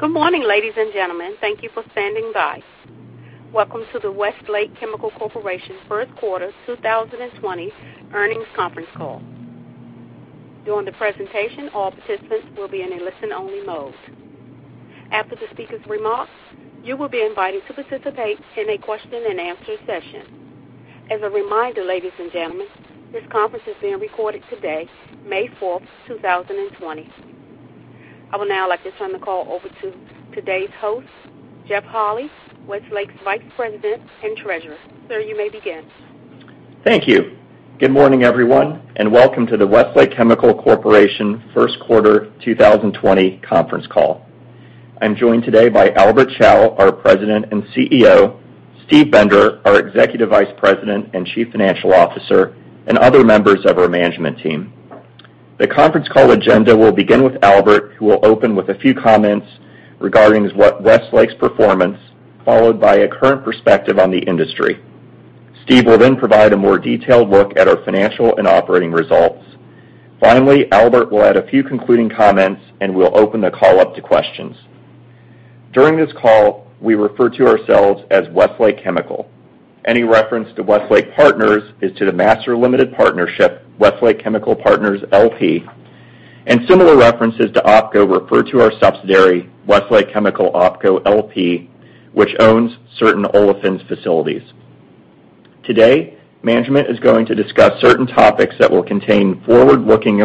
Good morning, ladies and gentlemen. Thank you for standing by. Welcome to the Westlake Chemical Corporation first quarter 2020 earnings conference call. During the presentation, all participants will be in a listen-only mode. After the speaker's remarks, you will be invited to participate in a question-and-answer session. As a reminder, ladies and gentlemen, this conference is being recorded today, May 4th, 2020. I would now like to turn the call over to today's host, Jeff Holy, Westlake's Vice President and Treasurer. Sir, you may begin. Thank you. Good morning, everyone, and welcome to the Westlake Chemical Corporation first quarter 2020 conference call. I'm joined today by Albert Chao, our President and CEO, Steve Bender, our Executive Vice President and Chief Financial Officer, and other members of our management team. The conference call agenda will begin with Albert, who will open with a few comments regarding Westlake's performance, followed by a current perspective on the industry. Steve will then provide a more detailed look at our financial and operating results. Finally, Albert will add a few concluding comments, and we'll open the call up to questions. During this call, we refer to ourselves as Westlake Chemical. Any reference to Westlake Partners is to the master limited partnership, Westlake Chemical Partners, LP, and similar references to OpCo refer to our subsidiary, Westlake Chemical OpCo LP, which owns certain olefins facilities. Today, management is going to discuss certain topics that will contain forward-looking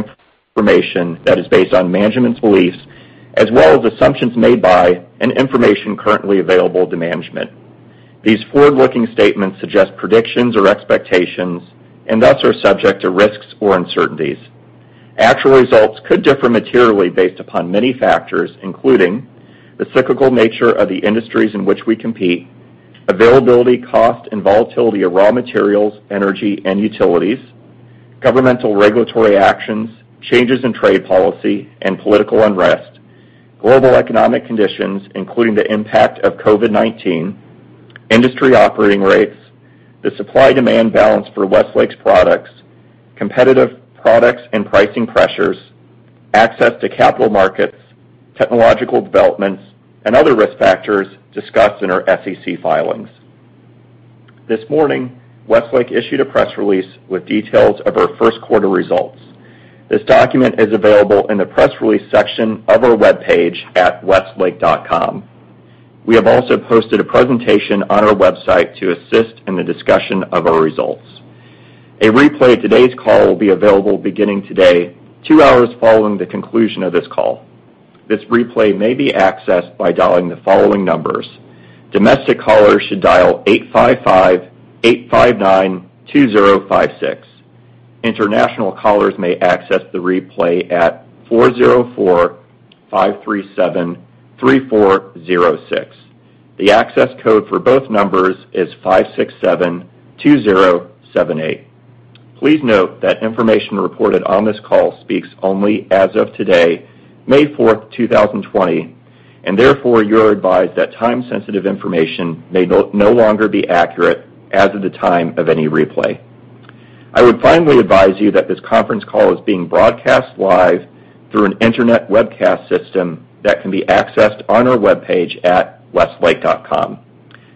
information that is based on management's beliefs, as well as assumptions made by and information currently available to management. These forward-looking statements suggest predictions or expectations and thus are subject to risks or uncertainties. Actual results could differ materially based upon many factors, including the cyclical nature of the industries in which we compete, availability, cost, and volatility of raw materials, energy, and utilities, governmental regulatory actions, changes in trade policy, and political unrest, global economic conditions, including the impact of COVID-19, industry operating rates, the supply-demand balance for Westlake's products, competitive products and pricing pressures, access to capital markets, technological developments, and other risk factors discussed in our SEC filings. This morning, Westlake issued a press release with details of our first quarter results. This document is available in the press release section of our webpage at westlake.com. We have also posted a presentation on our website to assist in the discussion of our results. A replay of today's call will be available beginning today, two hours following the conclusion of this call. This replay may be accessed by dialing the following numbers. Domestic callers should dial 855-859-2056. International callers may access the replay at 404-537-3406. The access code for both numbers is 5672078. Please note that information reported on this call speaks only as of today, May 4, 2020, and therefore you are advised that time-sensitive information may no longer be accurate as of the time of any replay. I would finally advise you that this conference call is being broadcast live through an internet webcast system that can be accessed on our webpage at westlake.com.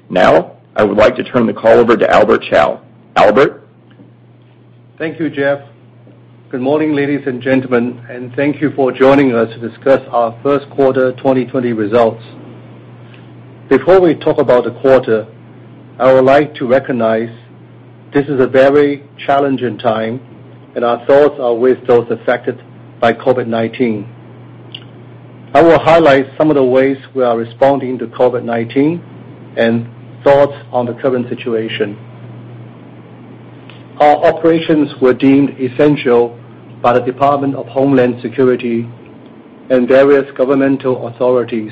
Now, I would like to turn the call over to Albert Chao. Albert? Thank you, Jeff. Good morning, ladies and gentlemen, and thank you for joining us to discuss our first quarter 2020 results. Before we talk about the quarter, I would like to recognize this is a very challenging time, and our thoughts are with those affected by COVID-19. I will highlight some of the ways we are responding to COVID-19 and thoughts on the current situation. Our operations were deemed essential by the Department of Homeland Security and various governmental authorities,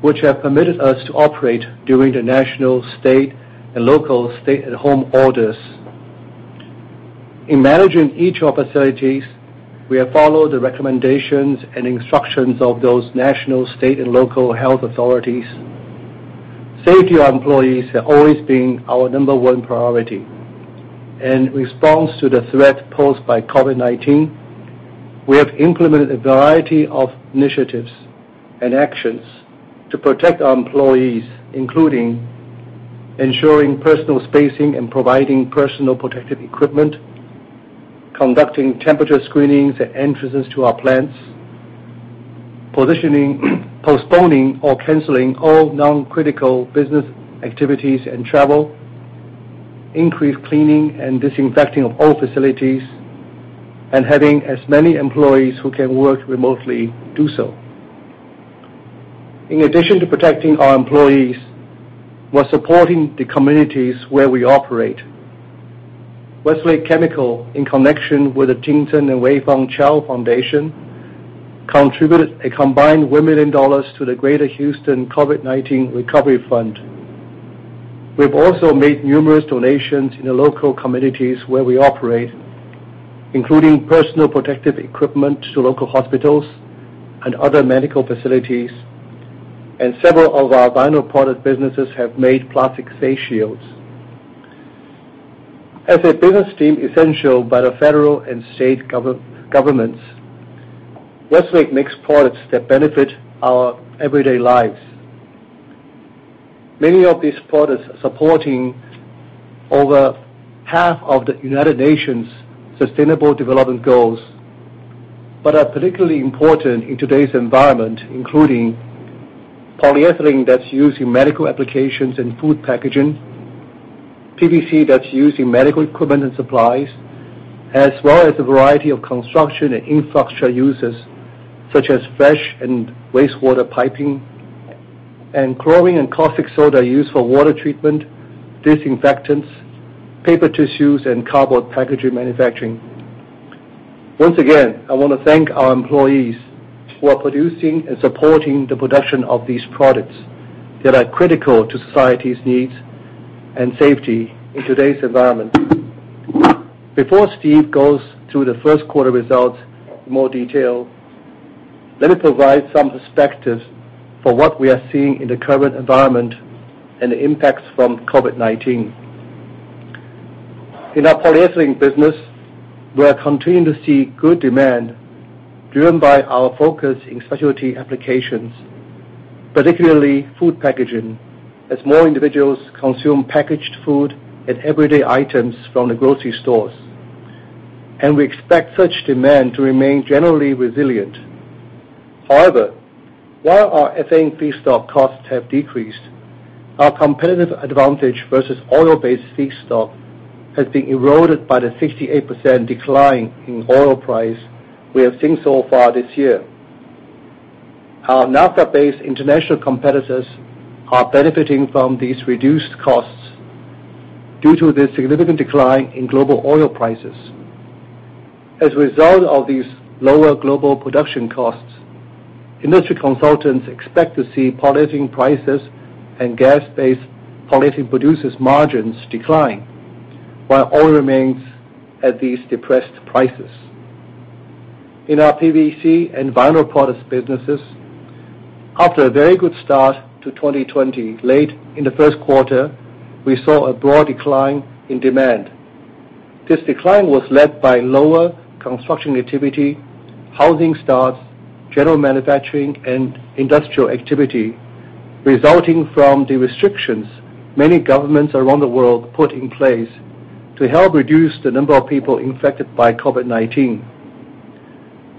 which have permitted us to operate during the national, state, and local stay-at-home orders. In managing each of our facilities, we have followed the recommendations and instructions of those national, state, and local health authorities. Safety of our employees has always been our number one priority. In response to the threat posed by COVID-19, we have implemented a variety of initiatives and actions to protect our employees, including ensuring personal spacing and providing personal protective equipment, conducting temperature screenings at entrances to our plants, postponing or canceling all non-critical business activities and travel, increased cleaning and disinfecting of all facilities, and having as many employees who can work remotely do so. In addition to protecting our employees, we're supporting the communities where we operate. Westlake Chemical, in connection with the Ting Tsung and Wei Fong Chao Foundation, contributed a combined $1 million to the Greater Houston COVID-19 Recovery Fund. We've also made numerous donations in the local communities where we operate, including personal protective equipment to local hospitals and other medical facilities, and several of our Vinyl product businesses have made plastic face shields. As a business deemed essential by the federal and state governments, Westlake makes products that benefit our everyday lives. Many of these products are supporting over half of the United Nations Sustainable Development Goals, but are particularly important in today's environment, including polyethylene that's used in medical applications and food packaging, PVC that's used in medical equipment and supplies, as well as a variety of construction and infrastructure uses such as fresh and wastewater piping, and chlorine and caustic soda used for water treatment, disinfectants, paper tissues, and cardboard packaging manufacturing. Once again, I want to thank our employees who are producing and supporting the production of these products that are critical to society's needs and safety in today's environment. Before Steve goes through the first quarter results in more detail, let me provide some perspective for what we are seeing in the current environment and the impacts from COVID-19. In our Polyethylene business, we are continuing to see good demand driven by our focus in specialty applications, particularly food packaging, as more individuals consume packaged food and everyday items from the grocery stores. We expect such demand to remain generally resilient. However, while our ethane feedstock costs have decreased, our competitive advantage versus oil-based feedstock has been eroded by the 68% decline in oil price we have seen so far this year. Our naphtha-based international competitors are benefiting from these reduced costs due to the significant decline in global oil prices. As a result of these lower global production costs, industry consultants expect to see polyethylene prices and gas-based polyethylene producers' margins decline while oil remains at these depressed prices. In our PVC and Vinyl products businesses, after a very good start to 2020, late in the first quarter, we saw a broad decline in demand. This decline was led by lower construction activity, housing starts, general manufacturing, and industrial activity, resulting from the restrictions many governments around the world put in place to help reduce the number of people infected by COVID-19.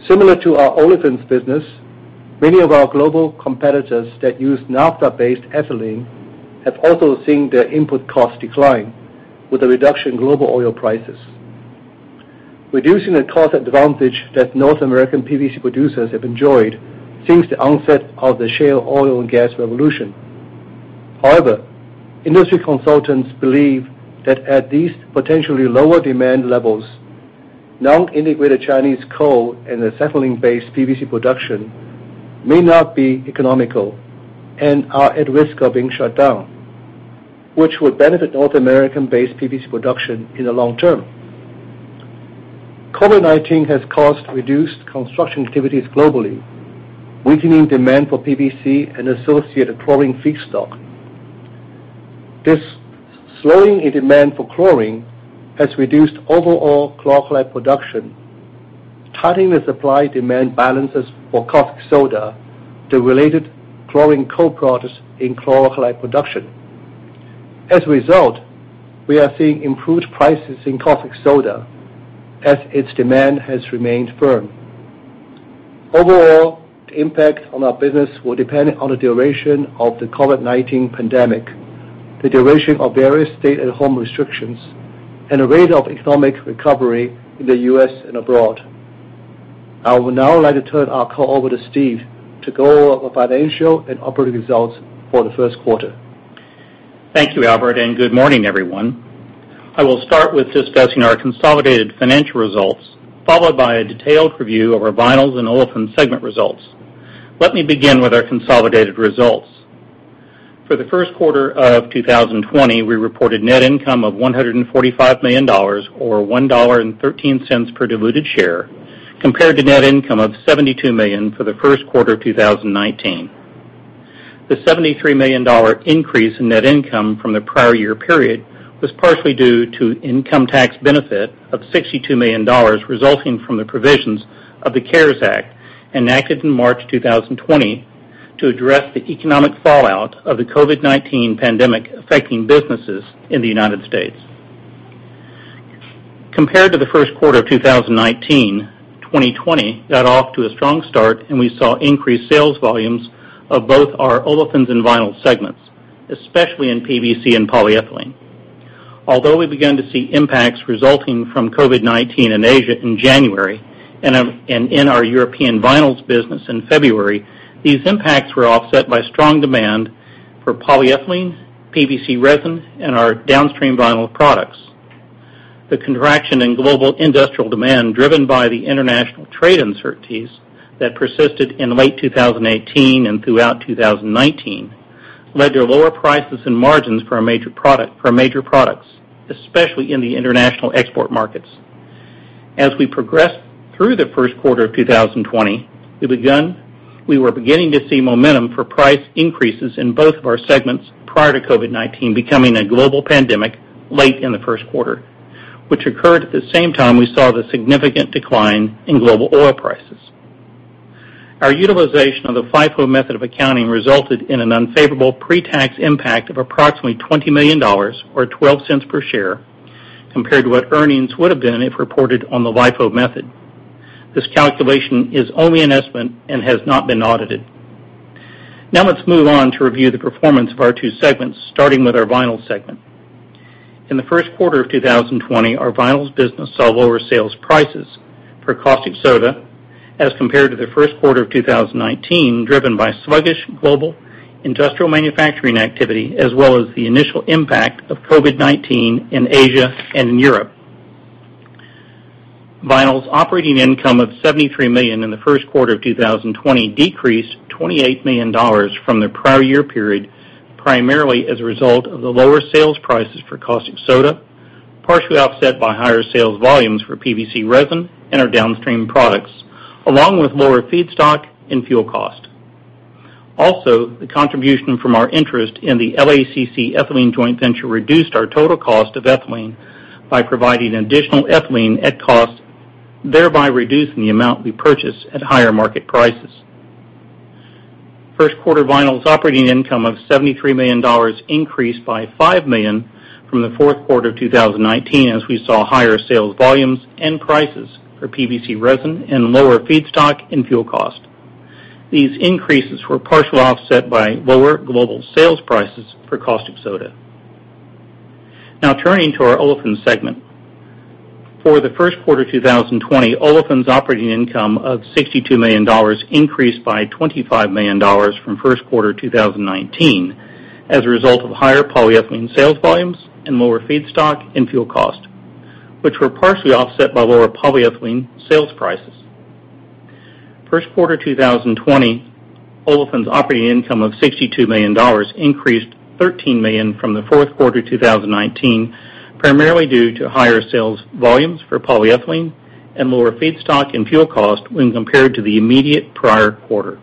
Similar to our Olefins business, many of our global competitors that use naphtha-based ethylene have also seen their input cost decline with a reduction in global oil prices, reducing the cost advantage that North American PVC producers have enjoyed since the onset of the shale oil and gas revolution. However, industry consultants believe that at these potentially lower demand levels, non-integrated Chinese coal and ethylene-based PVC production may not be economical and are at risk of being shut down, which would benefit North American-based PVC production in the long term. COVID-19 has caused reduced construction activities globally, weakening demand for PVC and associated chlorine feedstock. This slowing in demand for chlorine has reduced overall chlor-alkali production, tightening the supply-demand balances for caustic soda to related chlorine co-products in chlor-alkali production. As a result, we are seeing improved prices in caustic soda as its demand has remained firm. Overall, the impact on our business will depend on the duration of the COVID-19 pandemic, the duration of various stay-at-home restrictions, and the rate of economic recovery in the U.S. and abroad. I would now like to turn our call over to Steve to go over financial and operating results for the first quarter. Thank you, Albert. Good morning, everyone. I will start with discussing our consolidated financial results, followed by a detailed review of our Vinyls and Olefins segment results. Let me begin with our consolidated results. For the first quarter of 2020, we reported net income of $145 million or $1.13 per diluted share, compared to net income of $72 million for the first quarter of 2019. The $73 million increase in net income from the prior year period was partially due to income tax benefit of $62 million, resulting from the provisions of the CARES Act enacted in March 2020 to address the economic fallout of the COVID-19 pandemic affecting businesses in the U.S. Compared to the first quarter of 2019, 2020 got off to a strong start, and we saw increased sales volumes of both our Olefins and Vinyls segments, especially in PVC and polyethylene. Although we began to see impacts resulting from COVID-19 in Asia in January, and in our European Vinyls business in February, these impacts were offset by strong demand for polyethylene, PVC resin, and our downstream Vinyl products. The contraction in global industrial demand driven by the international trade uncertainties that persisted in late 2018 and throughout 2019 led to lower prices and margins for our major products, especially in the international export markets. As we progress through the first quarter of 2020, we were beginning to see momentum for price increases in both of our segments prior to COVID-19 becoming a global pandemic late in the first quarter, which occurred at the same time we saw the significant decline in global oil prices. Our utilization of the FIFO method of accounting resulted in an unfavorable pre-tax impact of approximately $20 million, or $0.12 per share, compared to what earnings would have been if reported on the LIFO method. This calculation is only an estimate and has not been audited. Now let's move on to review the performance of our two segments, starting with our Vinyls segment. In the first quarter of 2020, our Vinyls business saw lower sales prices for caustic soda as compared to the first quarter of 2019, driven by sluggish global industrial manufacturing activity, as well as the initial impact of COVID-19 in Asia and in Europe. Vinyls operating income of $73 million in the first quarter of 2020 decreased $28 million from the prior year period, primarily as a result of the lower sales prices for caustic soda, partially offset by higher sales volumes for PVC resin and our downstream products, along with lower feedstock and fuel cost. Also, the contribution from our interest in the LACC ethylene joint venture reduced our total cost of ethylene by providing additional ethylene at cost, thereby reducing the amount we purchase at higher market prices. First quarter Vinyls operating income of $73 million increased by $5 million from the fourth quarter of 2019, as we saw higher sales volumes and prices for PVC resin and lower feedstock and fuel cost. These increases were partially offset by lower global sales prices for caustic soda. Now turning to our Olefins segment. For the first quarter 2020, Olefins operating income of $62 million increased by $25 million from first quarter 2019 as a result of higher polyethylene sales volumes and lower feedstock and fuel cost, which were partially offset by lower polyethylene sales prices. First quarter 2020, Olefins operating income of $62 million increased $13 million from the fourth quarter 2019, primarily due to higher sales volumes for polyethylene and lower feedstock and fuel cost when compared to the immediate prior quarter.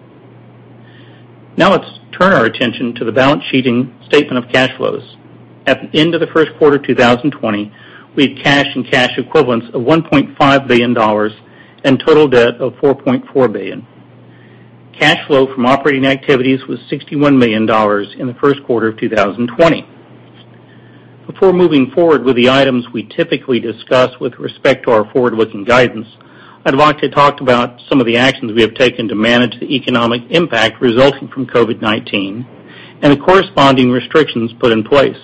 Now, let's turn our attention to the balance sheet and statement of cash flows. At the end of the first quarter 2020, we had cash and cash equivalents of $1.5 billion and total debt of $4.4 billion. Cash flow from operating activities was $61 million in the first quarter of 2020. Before moving forward with the items we typically discuss with respect to our forward-looking guidance, I'd like to talk about some of the actions we have taken to manage the economic impact resulting from COVID-19 and the corresponding restrictions put in place.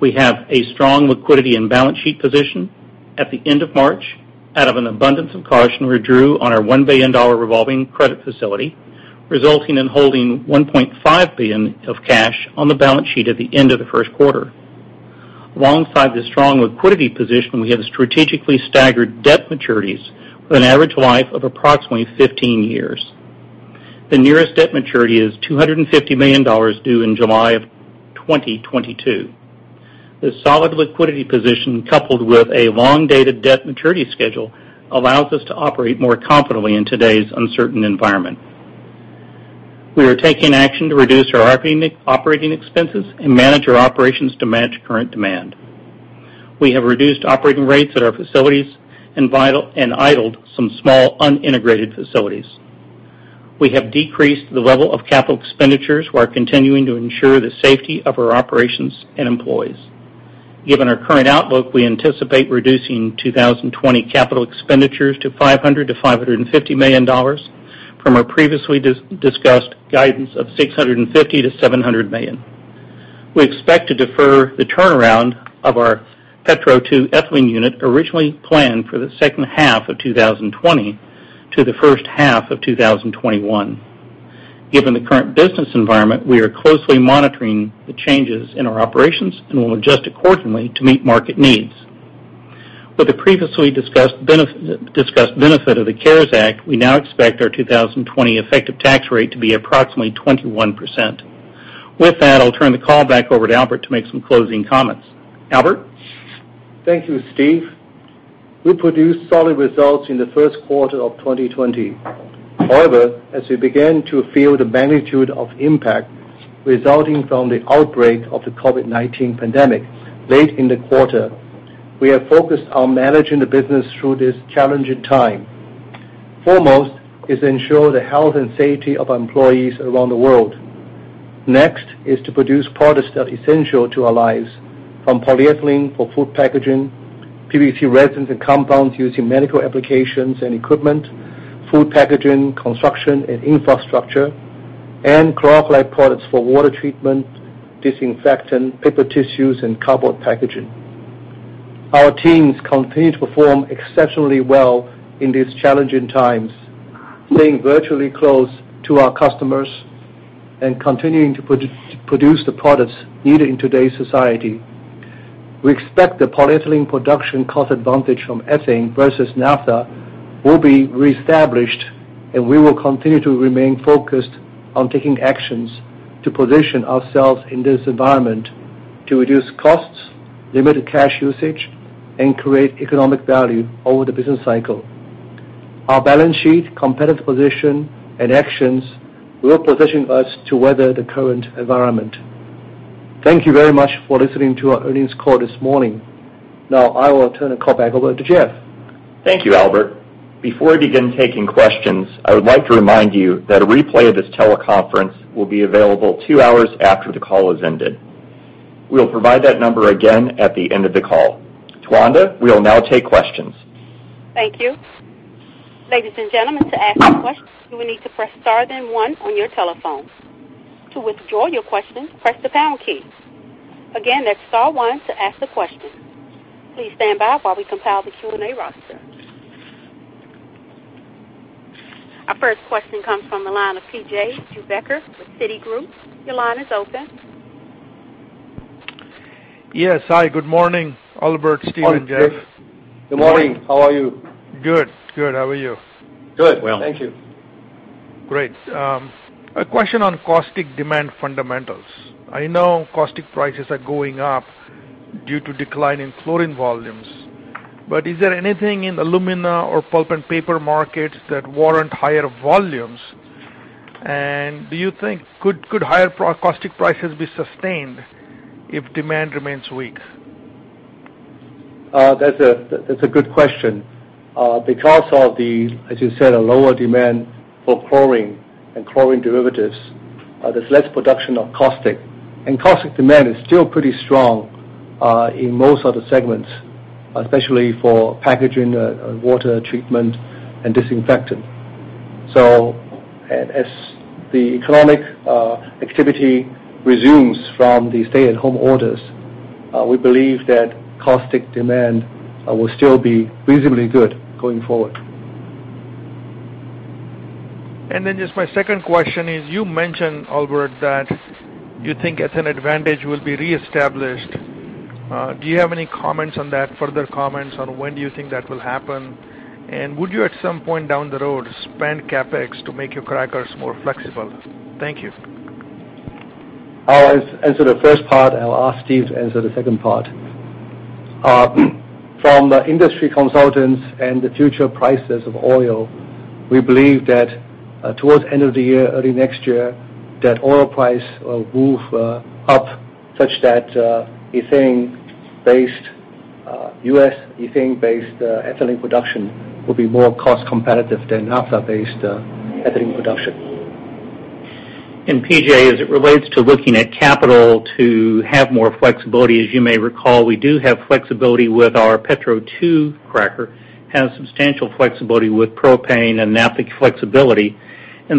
We have a strong liquidity and balance sheet position. At the end of March, out of an abundance of caution, we drew on our $1 billion revolving credit facility, resulting in holding $1.5 billion of cash on the balance sheet at the end of the first quarter. Alongside this strong liquidity position, we have strategically staggered debt maturities with an average life of approximately 15 years. The nearest debt maturity is $250 million, due in July of 2022. This solid liquidity position, coupled with a long dated debt maturity schedule, allows us to operate more confidently in today's uncertain environment. We are taking action to reduce our operating expenses and manage our operations to match current demand. We have reduced operating rates at our facilities and idled some small unintegrated facilities. We have decreased the level of capital expenditures while continuing to ensure the safety of our operations and employees. Given our current outlook, we anticipate reducing 2020 capital expenditures to $500 million-$550 million from our previously discussed guidance of $650 million-$700 million. We expect to defer the turnaround of our Petro 2 ethylene unit, originally planned for the second half of 2020 to the first half of 2021. Given the current business environment, we are closely monitoring the changes in our operations and will adjust accordingly to meet market needs. With the previously discussed benefit of the CARES Act, we now expect our 2020 effective tax rate to be approximately 21%. With that, I'll turn the call back over to Albert to make some closing comments. Albert? Thank you, Steve. We produced solid results in the first quarter of 2020. However, as we began to feel the magnitude of impact resulting from the outbreak of the COVID-19 pandemic late in the quarter, we are focused on managing the business through this challenging time. Foremost is to ensure the health and safety of our employees around the world. Next is to produce products that are essential to our lives, from polyethylene for food packaging, PVC resins and compounds used in medical applications and equipment, food packaging, construction, and infrastructure, and chlor-alkali products for water treatment, disinfectant, paper tissues, and cardboard packaging. Our teams continue to perform exceptionally well in these challenging times, staying virtually close to our customers and continuing to produce the products needed in today's society. We expect the polyethylene production cost advantage from ethane versus naphtha will be reestablished, and we will continue to remain focused on taking actions to position ourselves in this environment to reduce costs, limit cash usage, and create economic value over the business cycle. Our balance sheet, competitive position, and actions will position us to weather the current environment. Thank you very much for listening to our earnings call this morning. Now, I will turn the call back over to Jeff. Thank you, Albert. Before I begin taking questions, I would like to remind you that a replay of this teleconference will be available two hours after the call has ended. We will provide that number again at the end of the call. Tawanda, we will now take questions. Thank you. Ladies and gentlemen, to ask a question, you will need to press star then one on your telephone. To withdraw your question, press the pound key. Again, that's star one to ask the question. Please stand by while we compile the Q&A roster. Our first question comes from the line of P.J. Juvekar with Citigroup. Your line is open. Yes. Hi, good morning, Albert, Steve, and Jeff. Good morning. How are you? Good. How are you? Good. Well. Thank you. Great. A question on caustic demand fundamentals. I know caustic prices are going up due to decline in chlorine volumes. Is there anything in alumina or pulp and paper markets that warrant higher volumes? Do you think could higher caustic prices be sustained if demand remains weak? That's a good question. Because of the, as you said, a lower demand for chlorine and chlorine derivatives, there's less production of caustic. Caustic demand is still pretty strong in most of the segments, especially for packaging, water treatment, and disinfectant. As the economic activity resumes from the stay-at-home orders, we believe that caustic demand will still be reasonably good going forward. Just my second question is, you mentioned, Albert, that you think ethylene advantage will be reestablished. Do you have any comments on that, further comments on when do you think that will happen? Would you, at some point down the road, spend CapEx to make your crackers more flexible? Thank you. I will answer the first part, and I'll ask Steve to answer the second part. From the industry consultants and the future prices of oil, we believe that towards end of the year, early next year, that oil price will move up such that U.S. ethane-based ethylene production will be more cost competitive than naphtha-based ethylene production. P.J., as it relates to looking at capital to have more flexibility, as you may recall, we do have flexibility with our Petro 2 cracker, have substantial flexibility with propane and naphtha flexibility.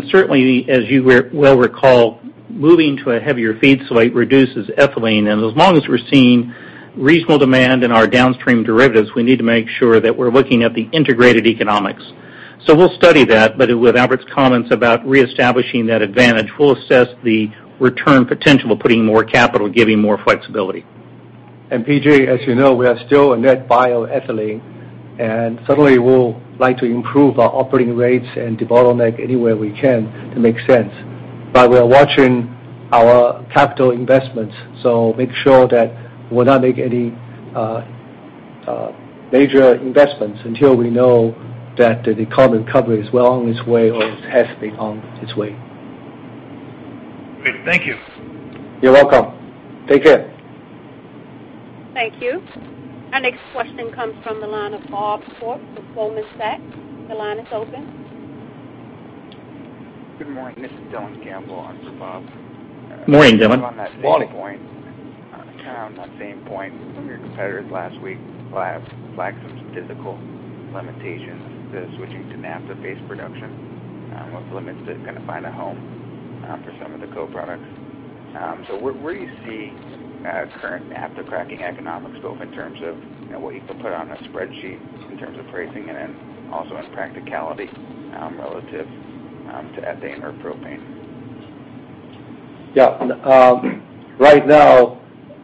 Certainly, as you well recall, moving to a heavier feed slate reduces ethylene. As long as we're seeing reasonable demand in our downstream derivatives, we need to make sure that we're looking at the integrated economics. We'll study that, but with Albert's comments about reestablishing that advantage, we'll assess the return potential of putting more capital, giving more flexibility. P.J., as you know, we are still a net buyer of ethylene, and certainly, we would like to improve our operating rates and debottleneck anywhere we can to make sense. We are watching our capital investments, so make sure that we will not make any major investments until we know that the economic recovery is well on its way or has been on its way. Great. Thank you. You're welcome. Take care. Thank you. Our next question comes from the line of Bob Koort with Goldman Sachs. Your line is open. Good morning. This is Dylan Campbell on for Bob. Good morning, Dylan. Still on that same point. One of your competitors last week flagged some physical limitations to switching to naphtha-based production, with limits to kinda find a home for some of the co-products. Where do you see current naphtha cracking economics, both in terms of what you can put on a spreadsheet in terms of pricing and then also in practicality, relative to ethane or propane? Right now,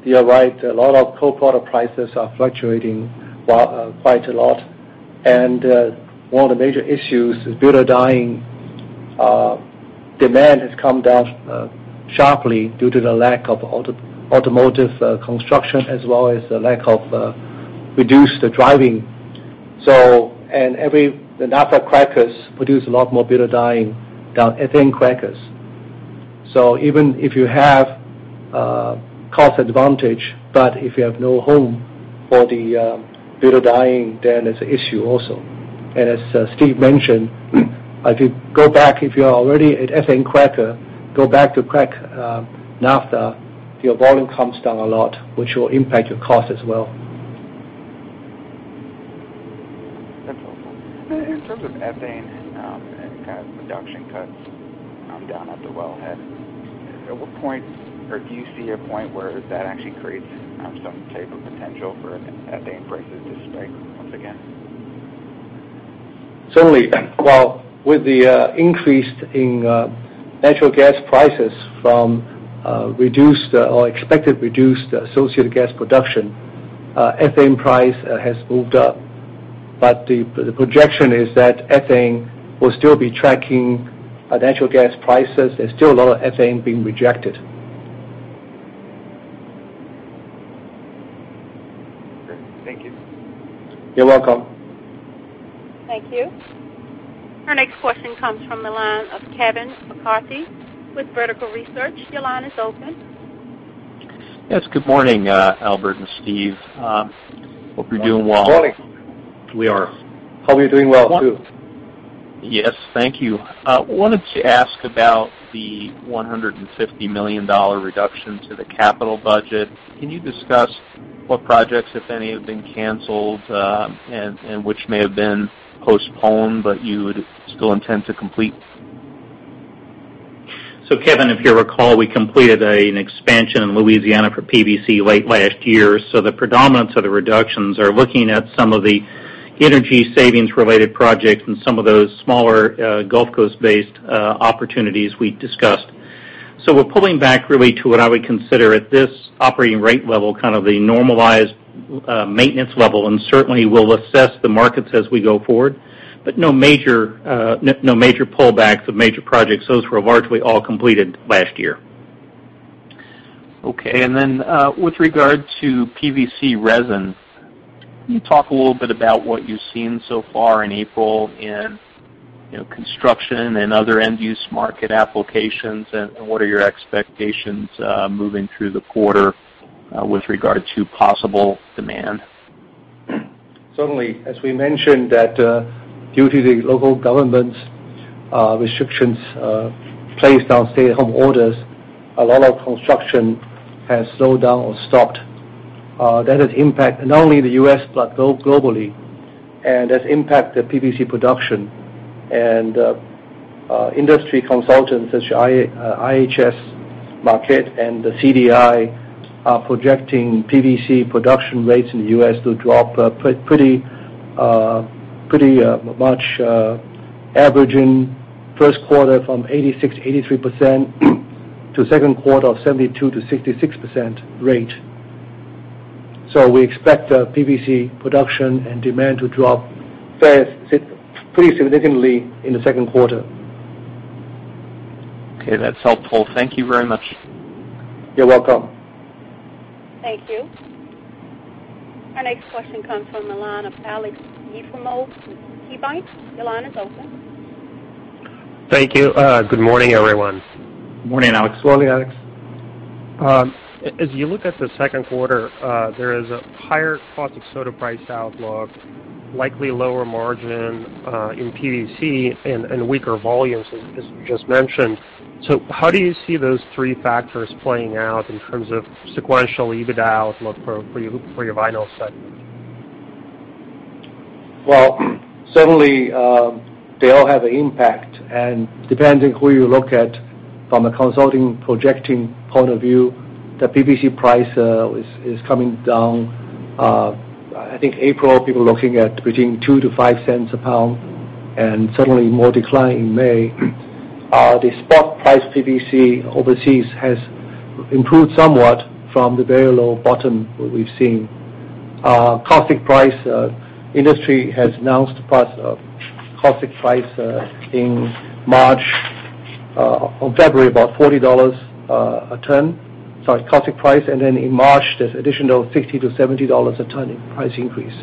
you're right. A lot of co-product prices are fluctuating quite a lot. One of the major issues is butadiene demand has come down sharply due to the lack of automotive construction as well as the lack of reduced driving. The naphtha crackers produce a lot more butadiene than ethane crackers. Even if you have cost advantage, but if you have no home for the butadiene, then it's a issue also. As Steve mentioned, if you go back, if you're already an ethane cracker, go back to crack naphtha, your volume comes down a lot, which will impact your cost as well. That's helpful. In terms of ethane and kind of production cuts down at the wellhead, at what point or do you see a point where that actually creates some type of potential for an ethane prices to spike once again? Certainly. Well, with the increase in natural gas prices from reduced or expected reduced associated gas production, ethane price has moved up. The projection is that ethane will still be tracking natural gas prices. There is still a lot of ethane being rejected. Great. Thank you. You're welcome. Thank you. Our next question comes from the line of Kevin McCarthy with Vertical Research. Your line is open. Yes. Good morning, Albert and Steve. Hope you're doing well. Good morning. We are. Hope you're doing well, too. Yes. Thank you. I wanted to ask about the $150 million reduction to the capital budget. Can you discuss what projects, if any, have been canceled, and which may have been postponed, but you would still intend to complete? Kevin, if you recall, we completed an expansion in Louisiana for PVC late last year. The predominance of the reductions are looking at some of the energy savings related projects and some of those smaller Gulf Coast based opportunities we discussed. We're pulling back really to what I would consider at this operating rate level, kind of the normalized maintenance level. Certainly, we'll assess the markets as we go forward. No major pullbacks of major projects. Those were largely all completed last year. Okay. With regard to PVC resin, can you talk a little bit about what you've seen so far in April in construction and other end use market applications, and what are your expectations moving through the quarter with regard to possible demand? Certainly. As we mentioned, that due to the local government restrictions placed on stay-at-home orders, a lot of construction has slowed down or stopped. That has impacted not only the U.S. but globally, and has impacted PVC production. Industry consultants such IHS Markit and the CDI are projecting PVC production rates in the U.S. to drop pretty much averaging first quarter from 86%-83%, to second quarter of 72%-66% rate. We expect PVC production and demand to drop pretty significantly in the second quarter. Okay. That's helpful. Thank you very much. You're welcome. Thank you. Our next question comes from the line of Aleksey Yefremov from KeyBanc. Your line is open. Thank you. Good morning, everyone. Good morning, Alex. Good morning, Alex. As you look at the second quarter, there is a higher caustic soda price outlook, likely lower margin in PVC and weaker volumes, as you just mentioned. How do you see those three factors playing out in terms of sequential EBITDA outlook for your Vinyl segment? Well, certainly, they all have an impact. Depending who you look at from a consulting projecting point of view, the PVC price is coming down. I think April, people are looking at between $0.02-$0.05 a pound, and certainly more decline in May. Caustic price industry has announced caustic price in February, about $40 a ton. Sorry, caustic price. In March, there's additional $60-$70 a ton in price increase.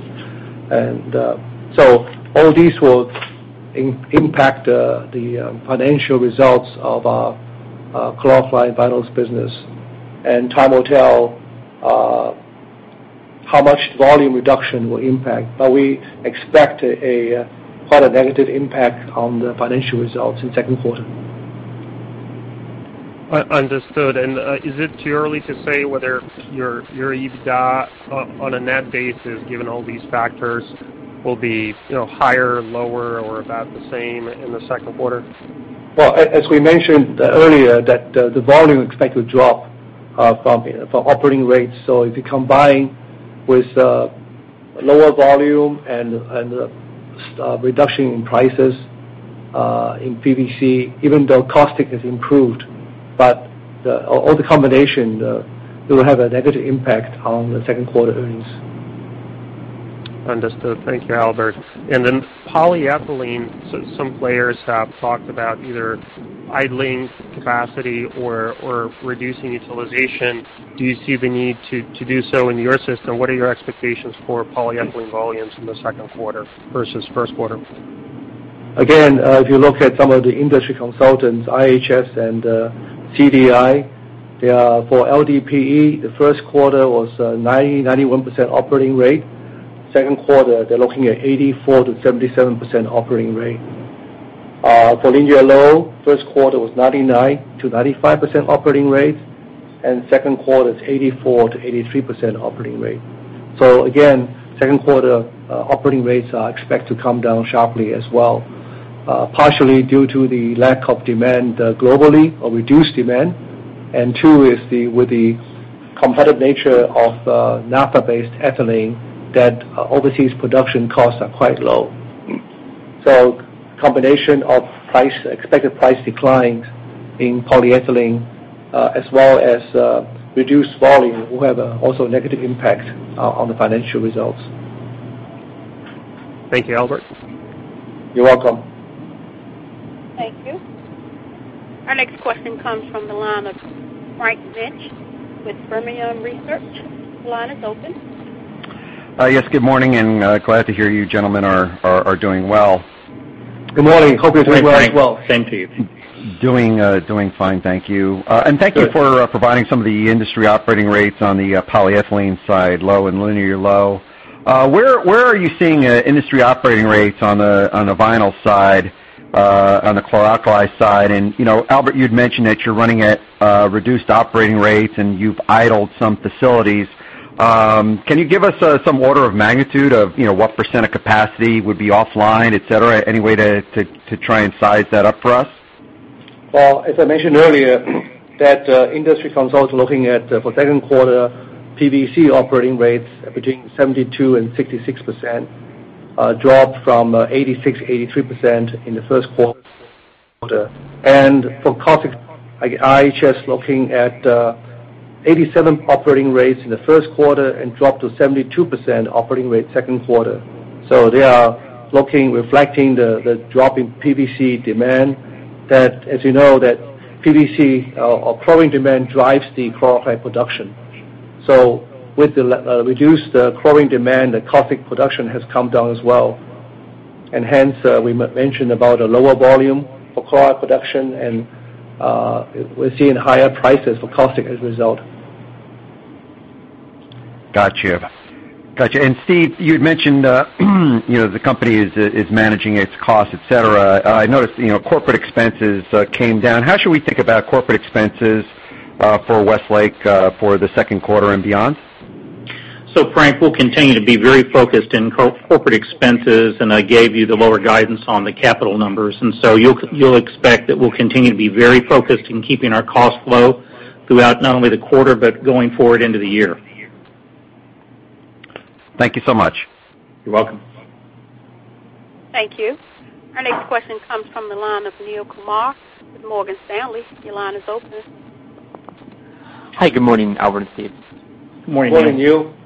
All these will impact the financial results of our Chlor-alkali Vinyls business. Time will tell how much volume reduction will impact, but we expect quite a negative impact on the financial results in second quarter. Understood. Is it too early to say whether your EBITDA on a net basis, given all these factors, will be higher, lower, or about the same in the second quarter? Well, as we mentioned earlier, that the volume is expected to drop from operating rates. If you combine with lower volume and a reduction in prices in PVC, even though caustic has improved, all the combination will have a negative impact on the second quarter earnings. Understood. Thank you, Albert. Polyethylene, some players have talked about either idling capacity or reducing utilization. Do you see the need to do so in your system? What are your expectations for polyethylene volumes in the second quarter versus first quarter? Again, if you look at some of the industry consultants, IHS Markit and CDI, for LDPE, the first quarter was 90%-91% operating rate. Second quarter, they're looking at 84%-77% operating rate. For linear low, first quarter was 99%-95% operating rate, second quarter it's 84%-83% operating rate. Again, second quarter operating rates are expected to come down sharply as well, partially due to the lack of demand globally or reduced demand. Two is with the competitive nature of naphtha-based ethylene, that overseas production costs are quite low. Combination of expected price declines in polyethylene, as well as reduced volume will have also negative impact on the financial results. Thank you, Albert. You're welcome. Thank you. Our next question comes from the line of Frank Mitsch with Fermium Research. Your line is open. Yes, good morning, and glad to hear you gentlemen are doing well. Good morning. Hope you're doing well. Good morning, Frank. Same to you. Doing fine, thank you. Good. Thank you for providing some of the industry operating rates on the polyethylene side, low and linear low. Where are you seeing industry operating rates on the Vinyl side, on the chlor-alkali side? Albert, you'd mentioned that you're running at reduced operating rates, and you've idled some facilities. Can you give us some order of magnitude of what percent of capacity would be offline, et cetera? Any way to try and size that up for us? Well, as I mentioned earlier, that industry consultants are looking at, for second quarter, PVC operating rates between 72%-66%, a drop from 86%-83% in the first quarter. For caustic, IHS is looking at 87% operating rates in the first quarter and drop to 72% operating rate second quarter. They are reflecting the drop in PVC demand that, as you know, PVC or chlorine demand drives the chlor-alkali production. With the reduced chlorine demand, the caustic production has come down as well. Hence, we mentioned about a lower volume for chlor production, and we're seeing higher prices for caustic as a result. Got you. Steve, you'd mentioned the company is managing its costs, et cetera. I noticed corporate expenses came down. How should we think about corporate expenses for Westlake for the second quarter and beyond? Frank, we'll continue to be very focused in corporate expenses, and I gave you the lower guidance on the capital numbers, you'll expect that we'll continue to be very focused in keeping our costs low throughout not only the quarter, but going forward into the year. Thank you so much. You're welcome. Thank you. Our next question comes from the line of Neel Kumar with Morgan Stanley. Your line is open. Hi, good morning, Albert and Steve. Good morning, Neel. Good morning, Neel.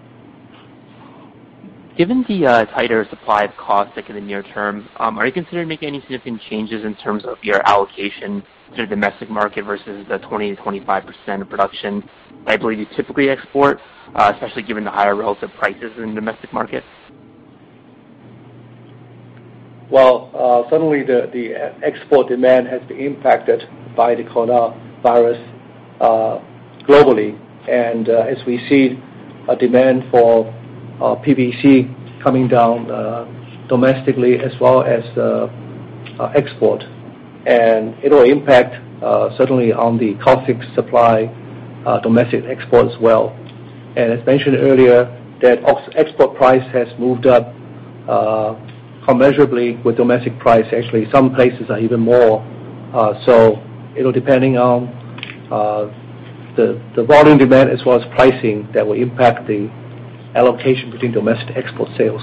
Given the tighter supply of caustic in the near term, are you considering making any significant changes in terms of your allocation to domestic market versus the 20%-25% of production that I believe you typically export, especially given the higher relative prices in domestic markets? Well, certainly the export demand has been impacted by the coronavirus globally, and as we see a demand for PVC coming down domestically as well as export. It'll impact certainly on the caustic supply, domestic export as well. As mentioned earlier, that export price has moved up commensurably with domestic price. Actually, some places are even more. It'll depending on the volume demand as well as pricing that will impact the allocation between domestic export sales.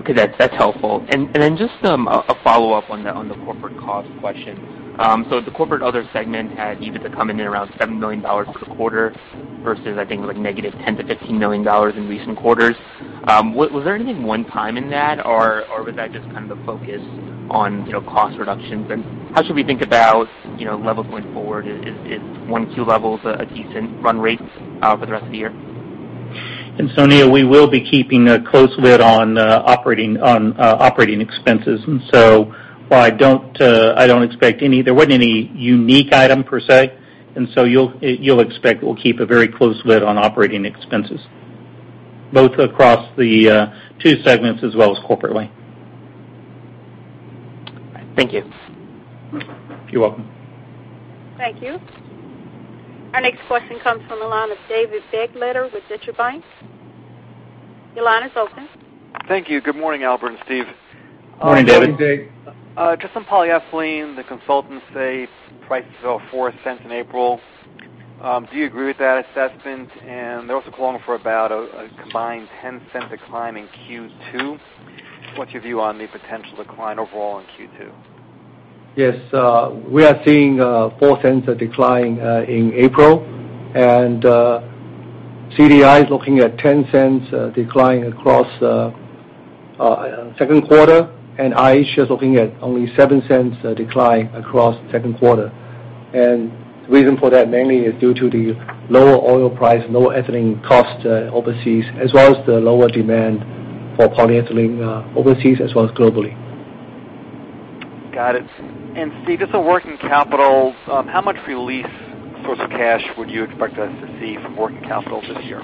Okay, that's helpful. Just a follow-up on the corporate cost question. The corporate other segment had EBITDA come in around $7 million for the quarter versus I think it was negative $10 million-$15 million in recent quarters. Was there anything one-time in that, or was that just a focus on cost reductions? How should we think about levels going forward? Is 1Q levels a decent run rate for the rest of the year? Neel, we will be keeping a close lid on operating expenses. While I don't expect any, there wasn't any unique item per se, and so you'll expect we'll keep a very close lid on operating expenses, both across the two segments as well as corporately. Thank you. You're welcome. Thank you. Our next question comes from the line of David Begleiter with Deutsche Bank. Your line is open. Thank you. Good morning, Albert and Steve. Morning, David. Morning, Dave. Just on polyethylene, the consultants say prices are $0.04 in April. Do you agree with that assessment? They're also calling for about a combined $0.10 decline in Q2. What's your view on the potential decline overall in Q2? Yes. We are seeing $0.04 decline in April, CDI is looking at $0.10 decline across second quarter, IHS is looking at only $0.07 decline across second quarter. The reason for that mainly is due to the lower oil price, lower ethylene cost overseas, as well as the lower demand for polyethylene overseas as well as globally. Got it. Steve, just on working capital, how much release sorts of cash would you expect us to see from working capital this year?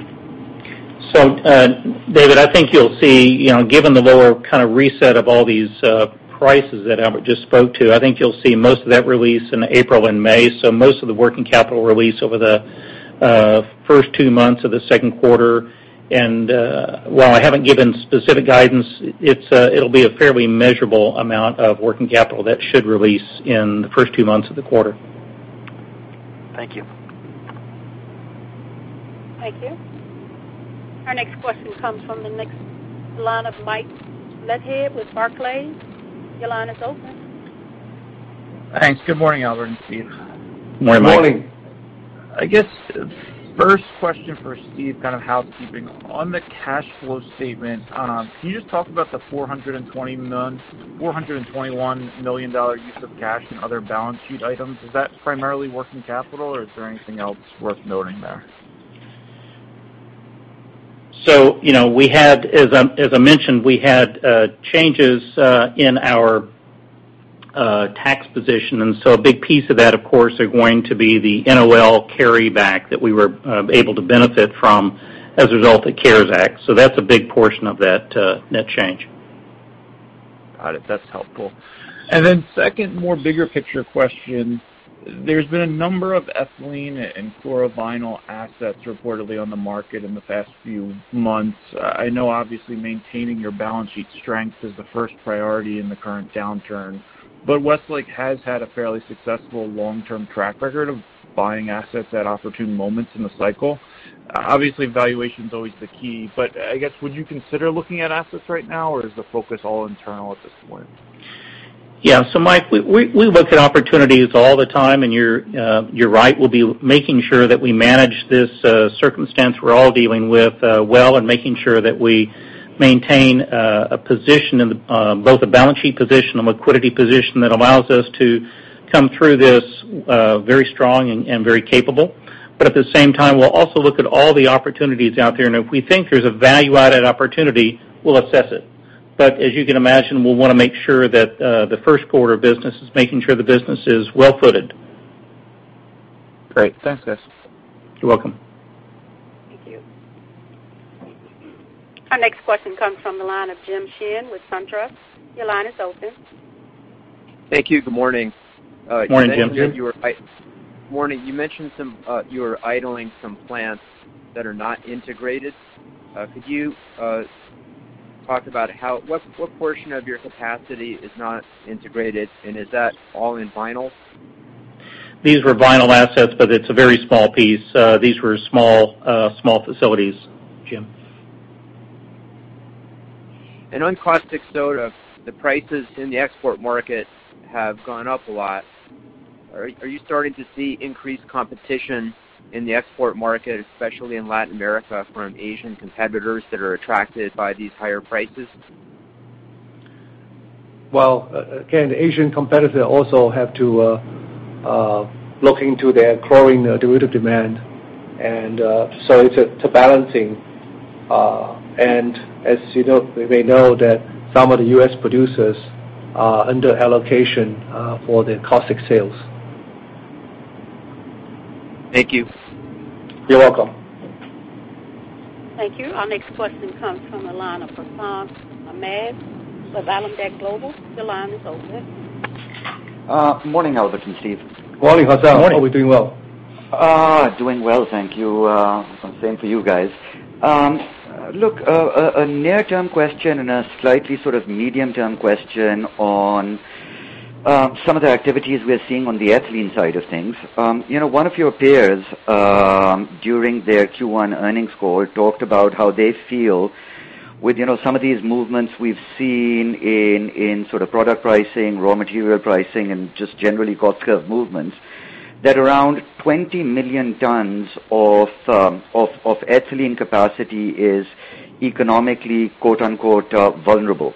David, I think you'll see, given the lower reset of all these prices that Albert just spoke to, I think you'll see most of that release in April and May. Most of the working capital release over the first two months of the second quarter. While I haven't given specific guidance, it'll be a fairly measurable amount of working capital that should release in the first two months of the quarter. Thank you. Thank you. Our next question comes from the line of Michael Leithead with Barclays. Your line is open. Thanks. Good morning, Albert and Steve. Good morning, Mike. Good morning. I guess first question for Steve, kind of housekeeping. On the cash flow statement, can you just talk about the $421 million use of cash and other balance sheet items? Is that primarily working capital or is there anything else worth noting there? As I mentioned, we had changes in our tax position, and so a big piece of that, of course, are going to be the NOL carryback that we were able to benefit from as a result of the CARES Act. That's a big portion of that net change. Got it. That's helpful. Second, more bigger picture question, there's been a number of ethylene and chloroVinyl assets reportedly on the market in the past few months. I know obviously maintaining your balance sheet strength is the first priority in the current downturn, Westlake has had a fairly successful long-term track record of buying assets at opportune moments in the cycle. Obviously, valuation's always the key, I guess, would you consider looking at assets right now, or is the focus all internal at this point? Yeah. Mike, we look at opportunities all the time, and you're right. We'll be making sure that we manage this circumstance we're all dealing with well and making sure that we maintain both a balance sheet position and liquidity position that allows us to come through this very strong and very capable. At the same time, we'll also look at all the opportunities out there, and if we think there's a value-added opportunity, we'll assess it. As you can imagine, we'll want to make sure that the first order of business is making sure the business is well-footed. Great. Thanks, guys. You're welcome. Thank you. Our next question comes from the line of Jim Sheehan with SunTrust. Your line is open. Thank you. Good morning. Good morning, Jim. Good morning. You mentioned you are idling some plants that are not integrated. Could you talk about what portion of your capacity is not integrated, and is that all in Vinyl? These were Vinyl assets, but it's a very small piece. These were small facilities, Jim. On caustic soda, the prices in the export market have gone up a lot. Are you starting to see increased competition in the export market, especially in Latin America, from Asian competitors that are attracted by these higher prices? Well, again, the Asian competitor also have to look into their growing derivative demand. It's a balancing. As you may know that some of the U.S. producers are under allocation for their caustic sales. Thank you. You're welcome. Thank you. Our next question comes from the line of Hassan Ahmed with Alembic Global. Your line is open. Good morning, Albert and Steve. Good morning, Hassan. Hope you're doing well. Doing well, thank you. Same for you guys. A near-term question and a slightly sort of medium-term question on some of the activities we are seeing on the ethylene side of things. One of your peers, during their Q1 earnings call, talked about how they feel with some of these movements we've seen in sort of product pricing, raw material pricing, and just generally cost curve movements, that around 20 million tons of ethylene capacity is economically "vulnerable."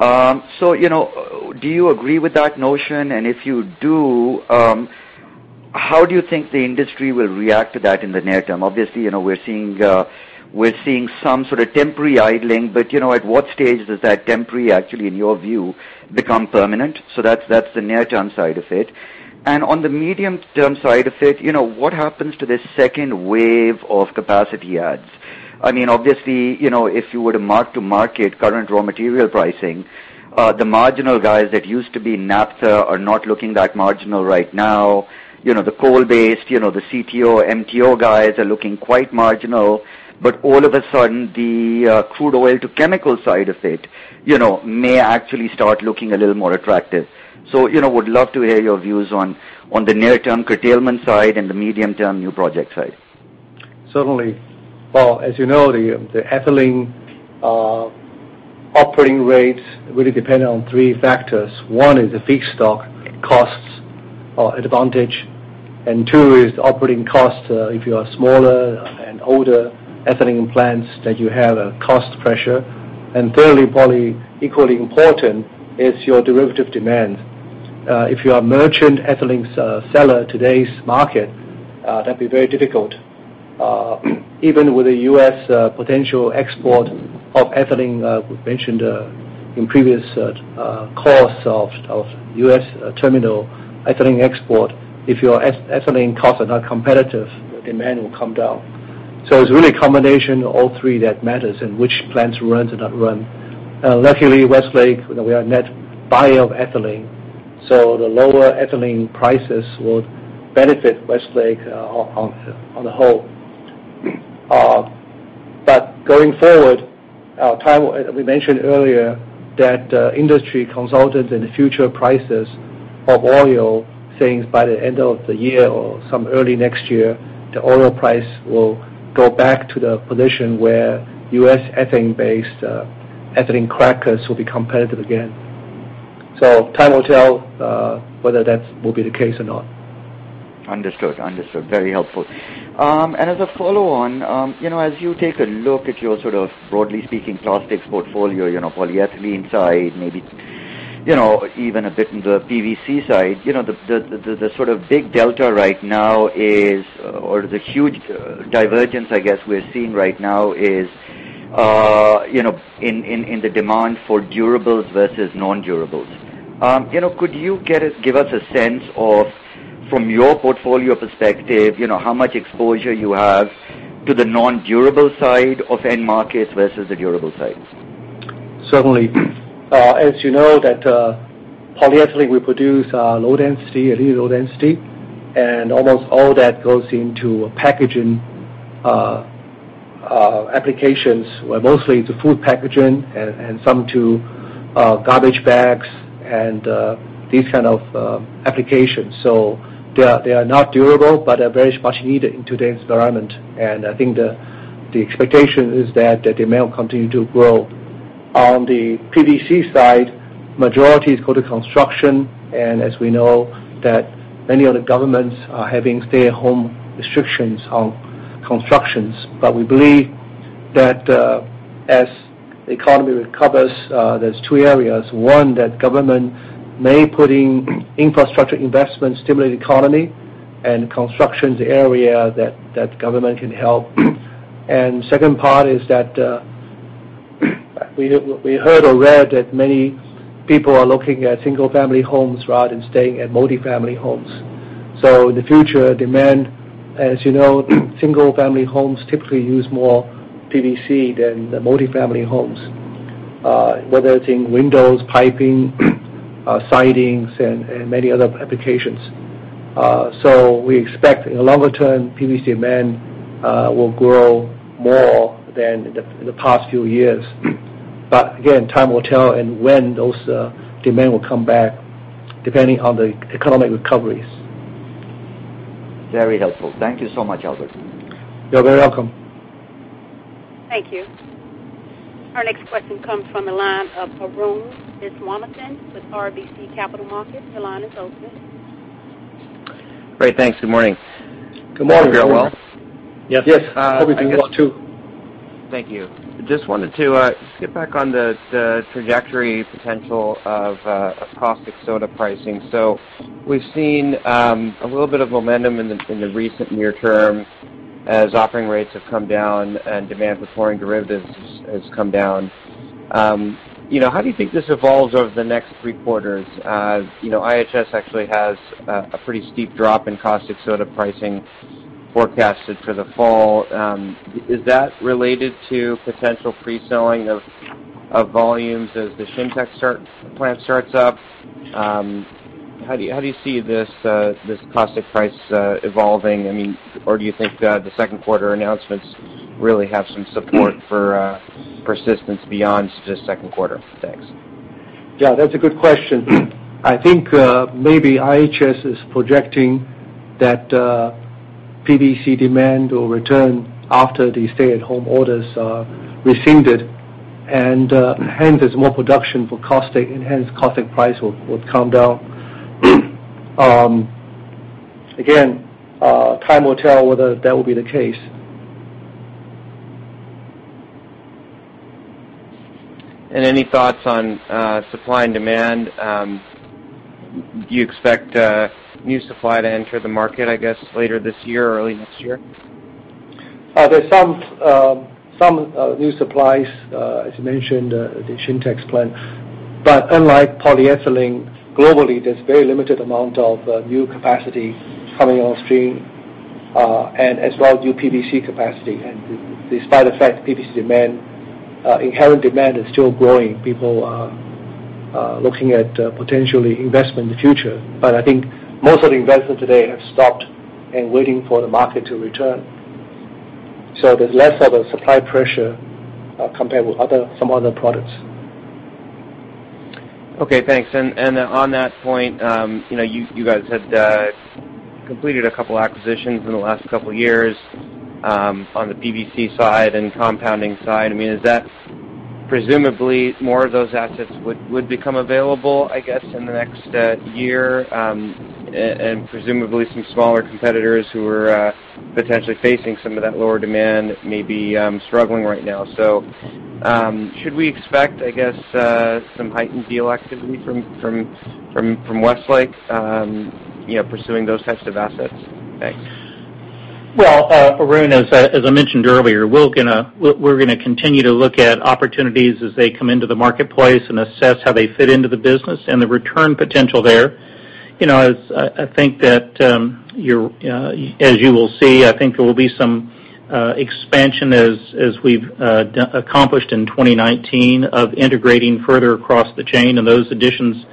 Do you agree with that notion? If you do, how do you think the industry will react to that in the near term? Obviously, we're seeing some sort of temporary idling, at what stage does that temporary actually, in your view, become permanent? That's the near-term side of it. On the medium-term side of it, what happens to this second wave of capacity adds? Obviously, if you were to mark to market current raw material pricing, the marginal guys that used to be naphtha are not looking that marginal right now. The coal-based, the CTO, MTO guys are looking quite marginal, all of a sudden, the crude oil to chemical side of it may actually start looking a little more attractive. Would love to hear your views on the near-term curtailment side and the medium-term new project side. Certainly. Well, as you know, the ethylene operating rates really depend on three factors. One is the feedstock costs advantage. Two is operating costs. If you are smaller and older ethylene plants, that you have a cost pressure. Thirdly, probably equally important, is your derivative demand. If you are merchant ethylene seller today's market, that'd be very difficult. Even with the U.S. potential export of ethylene, we mentioned in previous calls of U.S. terminal ethylene export. If your ethylene costs are not competitive, demand will come down. It's really a combination of all three that matters in which plants run to not run. Luckily, Westlake, we are net buyer of ethylene. The lower ethylene prices would benefit Westlake on the whole. Going forward, time, we mentioned earlier that industry consultants and the future prices of oil, saying by the end of the year or some early next year, the oil price will go back to the position where U.S. ethane-based ethylene crackers will be competitive again. Time will tell whether that will be the case or not. Understood. Very helpful. As a follow-on, as you take a look at your, broadly speaking, plastics portfolio, polyethylene side, maybe even a bit in the PVC side. The big delta right now is, or the huge divergence I guess we're seeing right now is in the demand for durables versus non-durables. Could you give us a sense of, from your portfolio perspective, how much exposure you have to the non-durable side of end markets versus the durable sides? Certainly. As you know that polyethylene, we produce low-density, linear low-density, and almost all that goes into packaging applications, where mostly it's food packaging and some to garbage bags and these kind of applications. They are not durable, but are very much needed in today's environment. I think the expectation is that the demand will continue to grow. On the PVC side, majority go to construction, and as we know that many of the governments are having stay-at-home restrictions on constructions. We believe that as the economy recovers, there's two areas. One, that government may put in infrastructure investment, stimulate economy, and construction is the area that government can help. Second part is that we heard or read that many people are looking at single-family homes rather than staying at multi-family homes. The future demand, as you know, single-family homes typically use more PVC than the multi-family homes, whether it's in windows, piping, sidings, and many other applications. We expect, in the longer term, PVC demand will grow more than the past few years. Again, time will tell and when those demand will come back, depending on the economic recoveries. Very helpful. Thank you so much, Albert. You're very welcome. Thank you. Our next question comes from the line of Arun Viswanathan with RBC Capital Markets. Your line is open. Great. Thanks. Good morning. Good morning. Hope you're well. Yes. Hope you're doing well, too. Thank you. Just wanted to get back on the trajectory potential of caustic soda pricing. We've seen a little bit of momentum in the recent near term as offering rates have come down and demand for chlorine derivatives has come down. How do you think this evolves over the next three quarters? IHS actually has a pretty steep drop in caustic soda pricing forecasted for the fall. Is that related to potential pre-selling of volumes as the Shintech plant starts up? How do you see this caustic price evolving? Do you think the second quarter announcements really have some support for persistence beyond just second quarter? Thanks. Yeah, that's a good question. I think maybe IHS is projecting that PVC demand will return after the stay-at-home orders are rescinded, hence there's more production for caustic, hence caustic price will come down. Again, time will tell whether that will be the case. Any thoughts on supply and demand? Do you expect new supply to enter the market, I guess, later this year or early next year? There's some new supplies, as you mentioned, the Shintech plant. Unlike polyethylene, globally, there's very limited amount of new capacity coming on stream, and as well new PVC capacity. Despite the fact PVC demand, inherent demand is still growing, people are looking at potentially investment in the future. I think most of the investment today have stopped and waiting for the market to return. There's less of a supply pressure compared with some other products. Okay, thanks. On that point, you guys had completed a couple acquisitions in the last couple years on the PVC side and compounding side. Presumably more of those assets would become available, I guess, in the next year, presumably some smaller competitors who are potentially facing some of that lower demand may be struggling right now. Should we expect, I guess, some heightened deal activity from Westlake, pursuing those types of assets? Thanks. Well, Arun, as I mentioned earlier, we're going to continue to look at opportunities as they come into the marketplace and assess how they fit into the business and the return potential there. I think that as you will see, I think there will be some expansion as we've accomplished in 2019 of integrating further across the chain, and those additions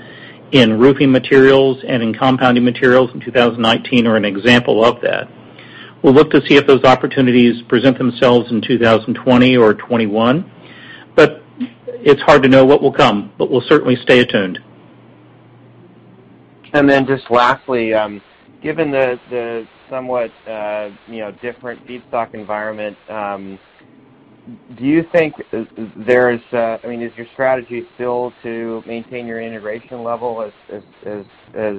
in roofing materials and in compounding materials in 2019 are an example of that. We'll look to see if those opportunities present themselves in 2020 or 2021, but it's hard to know what will come, but we'll certainly stay attuned. Just lastly, given the somewhat different feedstock environment, is your strategy still to maintain your integration level as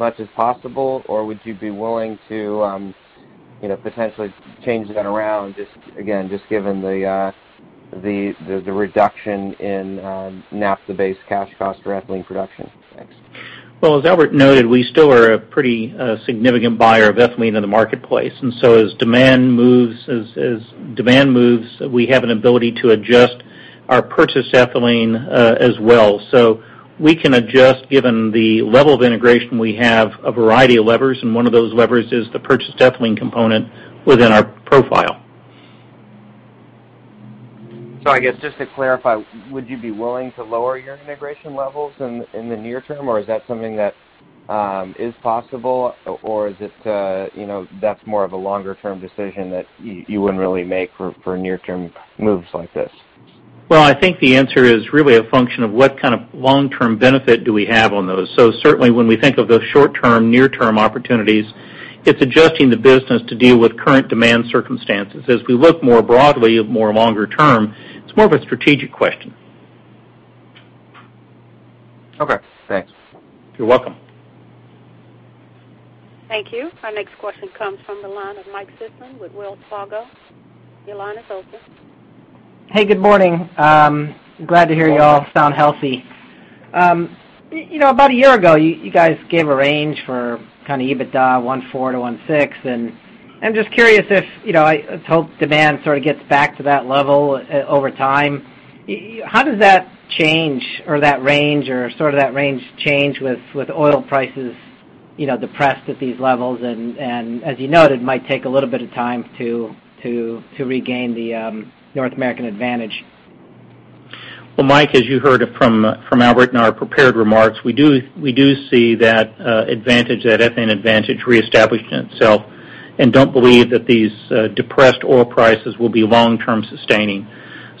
much as possible? Would you be willing to potentially change that around, again, just given the reduction in naphtha-based cash cost for ethylene production? Thanks. Well, as Albert noted, we still are a pretty significant buyer of ethylene in the marketplace. As demand moves, we have an ability to adjust our purchased ethylene as well. We can adjust, given the level of integration we have, a variety of levers, and one of those levers is the purchased ethylene component within our profile. I guess just to clarify, would you be willing to lower your integration levels in the near term, or is that something that is possible? Is it that's more of a longer-term decision that you wouldn't really make for near-term moves like this? Well, I think the answer is really a function of what kind of long-term benefit do we have on those. Certainly, when we think of those short-term, near-term opportunities, it's adjusting the business to deal with current demand circumstances. As we look more broadly, more longer term, it's more of a strategic question. Okay, thanks. You're welcome. Thank you. Our next question comes from the line of Mike Sison with Wells Fargo. Your line is open. Hey, good morning. I'm glad to hear you all sound healthy. About a year ago, you guys gave a range for kind of EBITDA 14-16, and I'm just curious. Let's hope demand sort of gets back to that level over time. How does that change or that range or sort of that range change with oil prices depressed at these levels? As you noted, it might take a little bit of time to regain the North American advantage. Well, Mike, as you heard it from Albert in our prepared remarks, we do see that advantage, that ethane advantage, reestablishing itself and don't believe that these depressed oil prices will be long-term sustaining.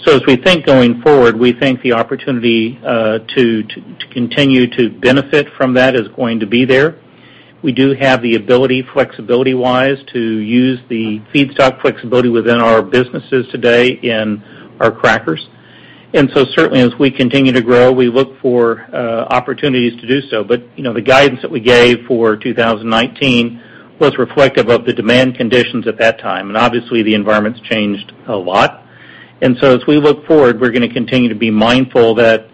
As we think going forward, we think the opportunity to continue to benefit from that is going to be there. We do have the ability, flexibility-wise, to use the feedstock flexibility within our businesses today in our crackers. Certainly, as we continue to grow, we look for opportunities to do so. The guidance that we gave for 2019 was reflective of the demand conditions at that time. Obviously, the environment's changed a lot. As we look forward, we're going to continue to be mindful that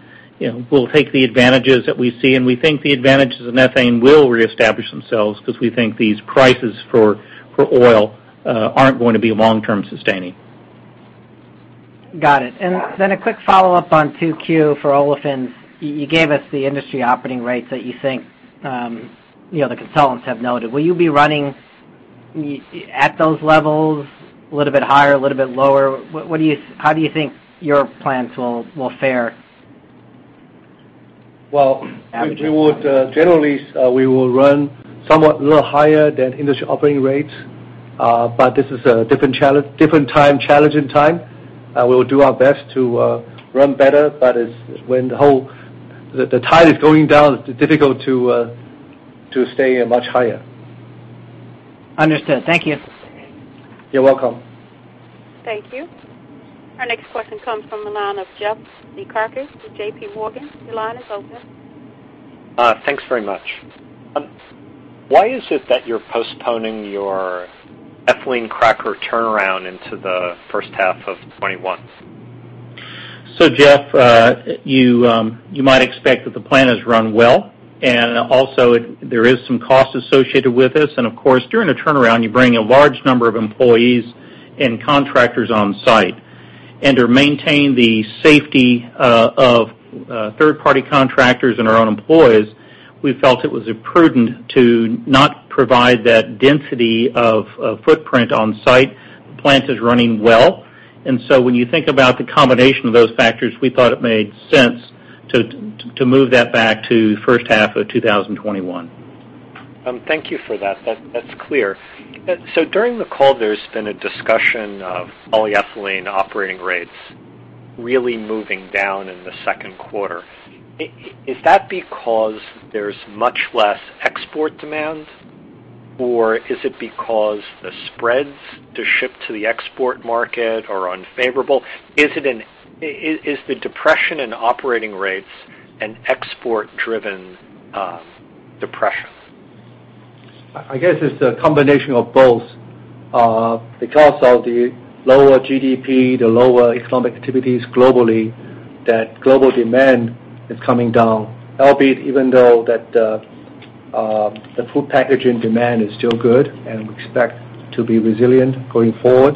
we'll take the advantages that we see, and we think the advantages of methane will reestablish themselves because we think these prices for oil aren't going to be long-term sustaining. Got it. A quick follow-up on 2Q for olefins. You gave us the industry operating rates that you think the consultants have noted. Will you be running at those levels, a little bit higher, a little bit lower? How do you think your plants will fare? Generally, we will run somewhat a little higher than industry operating rates. This is a different time, challenging time. We will do our best to run better, but when the tide is going down, it's difficult to stay much higher. Understood. Thank you. You're welcome. Thank you. Our next question comes from the line of Jeff Zekauskas with JPMorgan. Your line is open. Thanks very much. Why is it that you're postponing your ethylene cracker turnaround into the first half of 2021? Jeff, you might expect that the plant has run well, and also there is some cost associated with this. Of course, during the turnaround, you bring a large number of employees and contractors on site. To maintain the safety of third-party contractors and our own employees, we felt it was imprudent to not provide that density of footprint on site. The plant is running well, and so when you think about the combination of those factors, we thought it made sense to move that back to first half of 2021. Thank you for that. That's clear. During the call, there's been a discussion of polyethylene operating rates really moving down in the second quarter. Is that because there's much less export demand, or is it because the spreads to ship to the export market are unfavorable? Is the depression in operating rates an export-driven depression? I guess it's a combination of both. Because of the lower GDP, the lower economic activities globally, that global demand is coming down. Albeit, even though that the food packaging demand is still good, and we expect to be resilient going forward.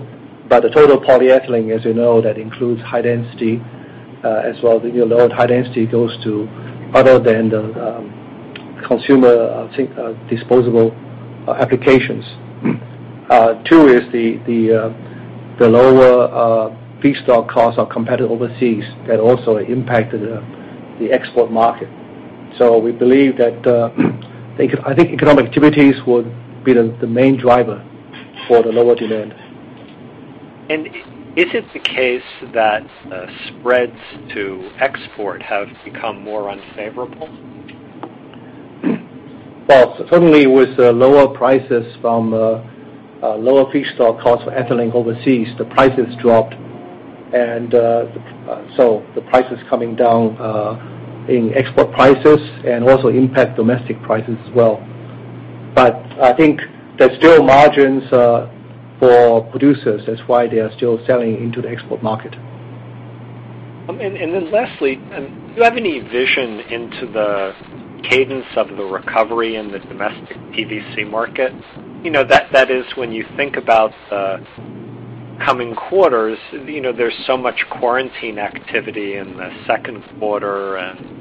The total polyethylene, as you know, that includes high-density polyethylene as well. You know high-density polyethylene goes to other than the consumer, I think disposable applications. Two is the lower feedstock costs are competitive overseas. That also impacted the export market. We believe that, I think economic activities would be the main driver for the lower demand. Is it the case that spreads to export have become more unfavorable? Well, certainly with the lower prices from lower feedstock costs for ethylene overseas, the prices dropped. The price is coming down in export prices and also impact domestic prices as well. I think there's still margins for producers, that's why they are still selling into the export market. Lastly, do you have any vision into the cadence of the recovery in the domestic PVC market? That is when you think about the coming quarters, there's so much quarantine activity in the second quarter and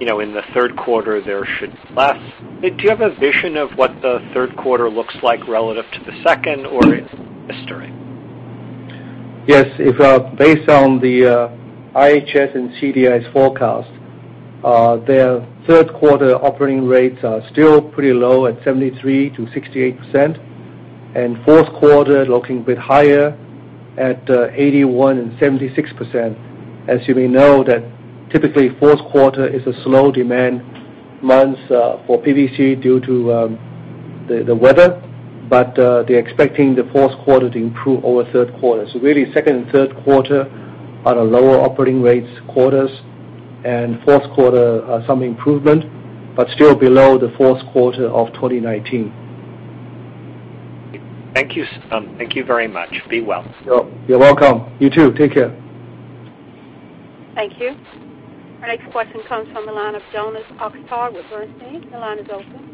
in the third quarter there should be less. Do you have a vision of what the third quarter looks like relative to the second, or is it a mystery? Yes. Based on the IHS and CDI's forecast, their third quarter operating rates are still pretty low at 73%-68%, and fourth quarter looking a bit higher at 81% and 76%. As you may know, that typically fourth quarter is a slow demand month for PVC due to the weather. They're expecting the fourth quarter to improve over third quarter. Really, second and third quarter are the lower operating rates quarters, and fourth quarter some improvement, but still below the fourth quarter of 2019. Thank you, Jeff. Thank you very much. Be well. You're welcome. You, too. Take care. Thank you. Our next question comes from the line of Jonas Oxgaard with Bernstein. The line is open.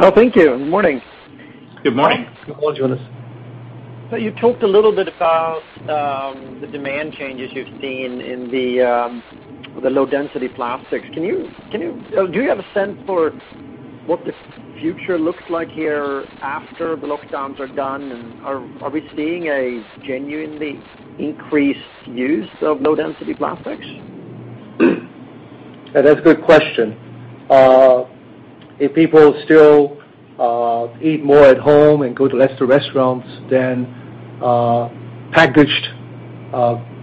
Oh, thank you. Good morning. Good morning. Good morning, Jonas. You talked a little bit about the demand changes you've seen in the low-density plastics. Do you have a sense for what the future looks like here after the lockdowns are done, and are we seeing a genuinely increased use of low-density plastics? That's a good question. If people still eat more at home and go to less to restaurants, then packaged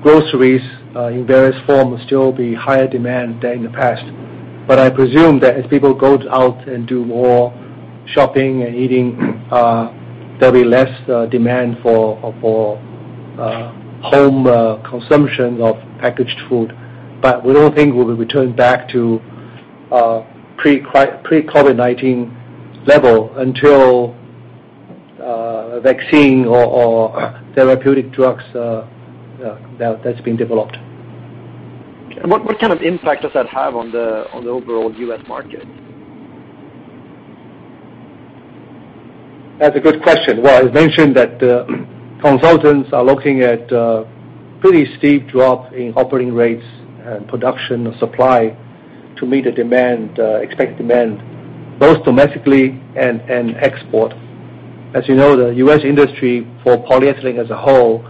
groceries in various form will still be higher demand than in the past. I presume that as people go out and do more shopping and eating, there'll be less demand for home consumption of packaged food. We don't think we'll return back to pre-COVID-19 level until a vaccine or therapeutic drugs that's been developed. What kind of impact does that have on the overall U.S. market? That's a good question. Well, I mentioned that consultants are looking at a pretty steep drop in operating rates and production of supply to meet the expected demand, both domestically and export. As you know, the U.S. industry for polyethylene as a whole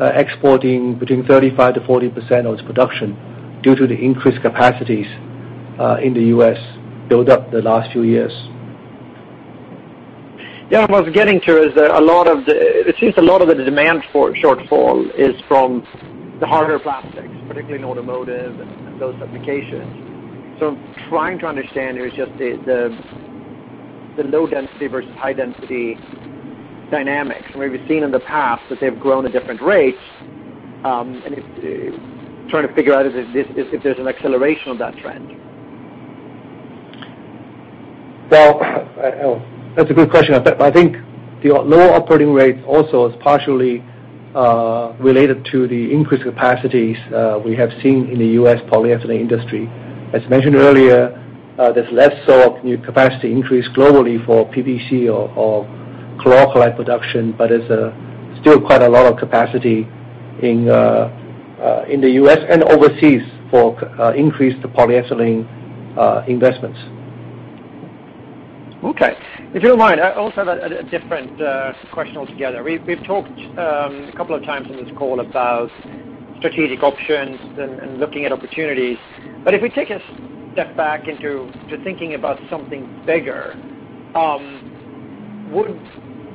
are exporting between 35%-40% of its production due to the increased capacities in the U.S. build up the last few years. Yeah. What I was getting to is that it seems a lot of the demand for shortfall is from the harder plastics, particularly in automotive and those applications. I'm trying to understand here is just the low-density polyethylene versus high-density polyethylene dynamics. We've seen in the past that they've grown at different rates. Trying to figure out if there's an acceleration of that trend. That's a good question. I think the lower operating rate also is partially related to the increased capacities we have seen in the U.S. polyethylene industry. As mentioned earlier, there's less so of new capacity increase globally for PVC or chlor-alkali production, but it's still quite a lot of capacity in the U.S. and overseas for increased polyethylene investments. Okay. If you don't mind, I also have a different question altogether. We've talked a couple of times on this call about strategic options and looking at opportunities. If we take a step back into thinking about something bigger,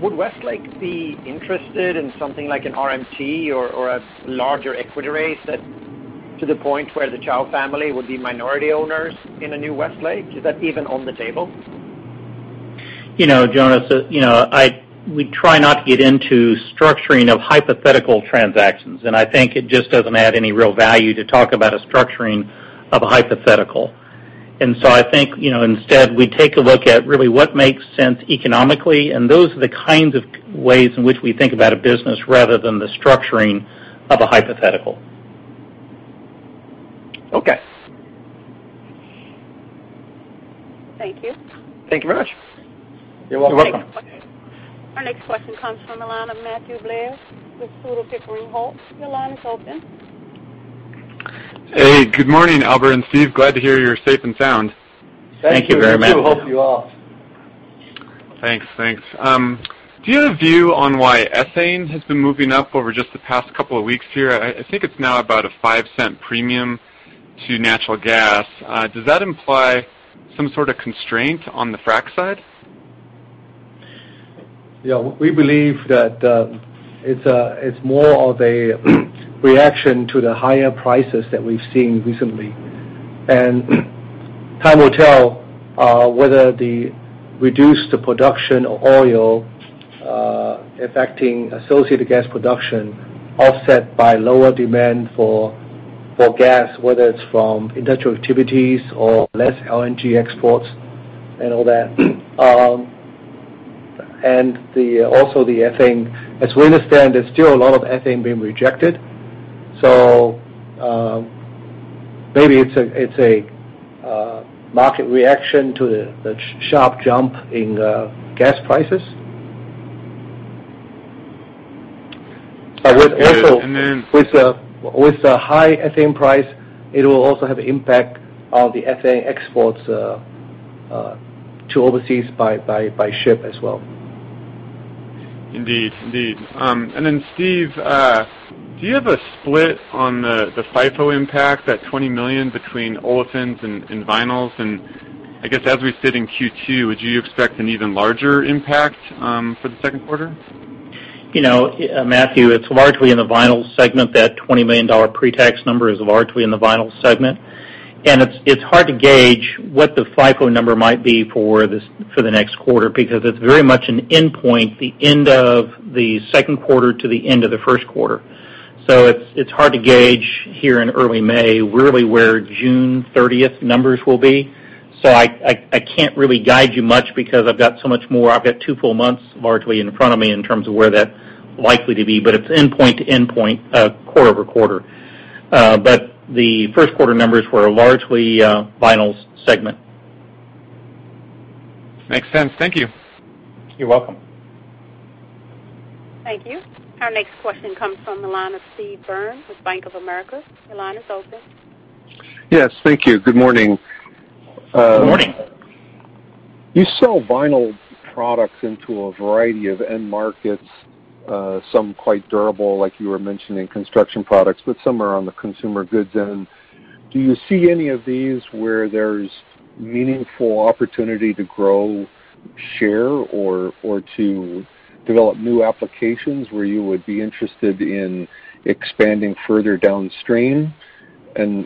would Westlake be interested in something like an RMT or a larger equity raise that to the point where the Chao family would be minority owners in a new Westlake? Is that even on the table? Jonas, we try not to get into structuring of hypothetical transactions. I think it just doesn't add any real value to talk about a structuring of a hypothetical. I think instead, we take a look at really what makes sense economically. Those are the kinds of ways in which we think about a business rather than the structuring of a hypothetical. Okay. Thank you. Thank you very much. You're welcome. Our next question comes from the line of Matthew Blair with Tudor, Pickering, Holt. Your line is open. Hey, good morning, Albert and Steve. Glad to hear you're safe and sound. Thank you very much. Thank you. We hope you are. Thanks. Do you have a view on why ethane has been moving up over just the past couple of weeks here? I think it's now about a $0.05 premium to natural gas. Does that imply some sort of constraint on the frack side? Yeah. We believe that it's more of a reaction to the higher prices that we've seen recently. Time will tell whether the reduced production of oil affecting associated gas production offset by lower demand for gas, whether it's from industrial activities or less LNG exports and all that. Also the ethane, as we understand, there's still a lot of ethane being rejected. Maybe it's a market reaction to the sharp jump in gas prices. And then. With the high ethane price, it will also have impact on the ethane exports to overseas by ship as well. Indeed. Steve, do you have a split on the FIFO impact, that $20 million between olefins and Vinyls and I guess as we sit in Q2, would you expect an even larger impact for the second quarter? Matthew, it's largely in the Vinyl segment. That $20 million pre-tax number is largely in the Vinyl segment. It's hard to gauge what the FIFO number might be for the next quarter because it's very much an endpoint, the end of the second quarter to the end of the first quarter. It's hard to gauge here in early May really where June 30th numbers will be. I can't really guide you much because I've got so much more. I've got two full months largely in front of me in terms of where that likely to be. It's endpoint to endpoint, quarter-over-quarter. The first quarter numbers were largely, Vinyl segment. Makes sense. Thank you. You're welcome. Thank you. Our next question comes from the line of Steve Byrne with Bank of America. Your line is open. Yes. Thank you. Good morning. Good morning. You sell Vinyl products into a variety of end markets, some quite durable, like you were mentioning construction products, but some are on the consumer goods end. Do you see any of these where there's meaningful opportunity to grow share or to develop new applications where you would be interested in expanding further downstream?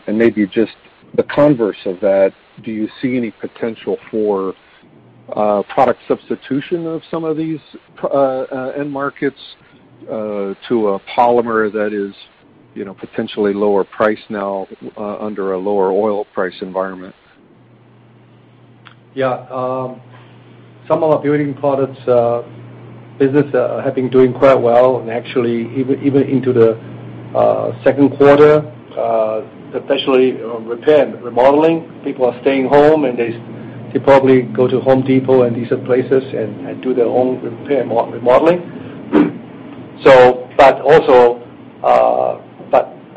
Maybe just the converse of that, do you see any potential for product substitution of some of these end markets to a polymer that is potentially lower price now under a lower oil price environment? Yeah. Some of our building products business have been doing quite well. Actually even into the second quarter, especially repair and remodeling. People are staying home and they probably go to Home Depot and these other places and do their own repair and remodeling.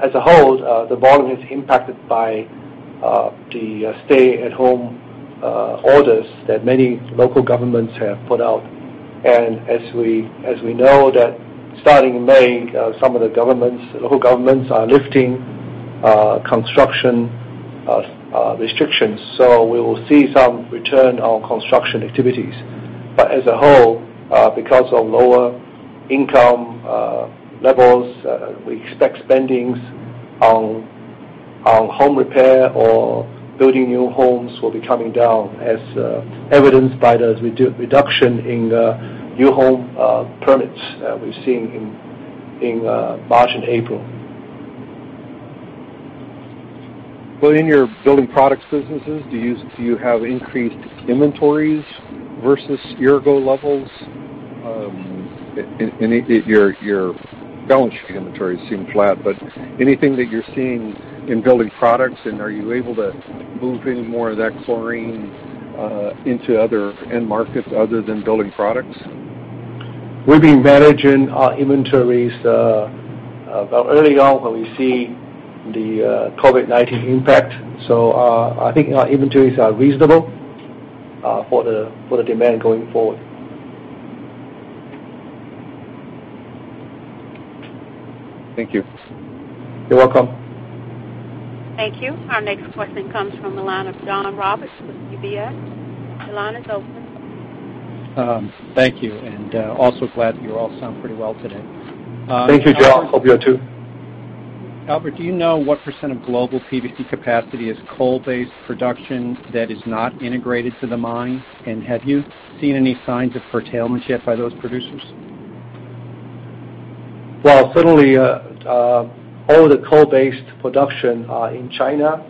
As a whole, the volume is impacted by the stay-at-home orders that many local governments have put out. As we know that starting May, some of the local governments are lifting construction restrictions. We will see some return on construction activities. As a whole, because of lower income levels, we expect spendings on home repair or building new homes will be coming down as evidenced by the reduction in new home permits that we've seen in March and April. In your building products businesses, do you have increased inventories versus year ago levels? Your balance sheet inventories seem flat, but anything that you're seeing in building products, and are you able to move any more of that chlorine into other end markets other than building products? We've been managing our inventories early on when we see the COVID-19 impact. I think our inventories are reasonable, for the demand going forward. Thank you. You're welcome. Thank you. Our next question comes from the line of John Roberts with UBS. Your line is open. Thank you. Also glad that you all sound pretty well today. Thank you, John. Hope you are too. Albert, do you know what percent of global PVC capacity is coal-based production that is not integrated to the mine? Have you seen any signs of curtailment yet by those producers? Well, certainly, all the coal-based production are in China,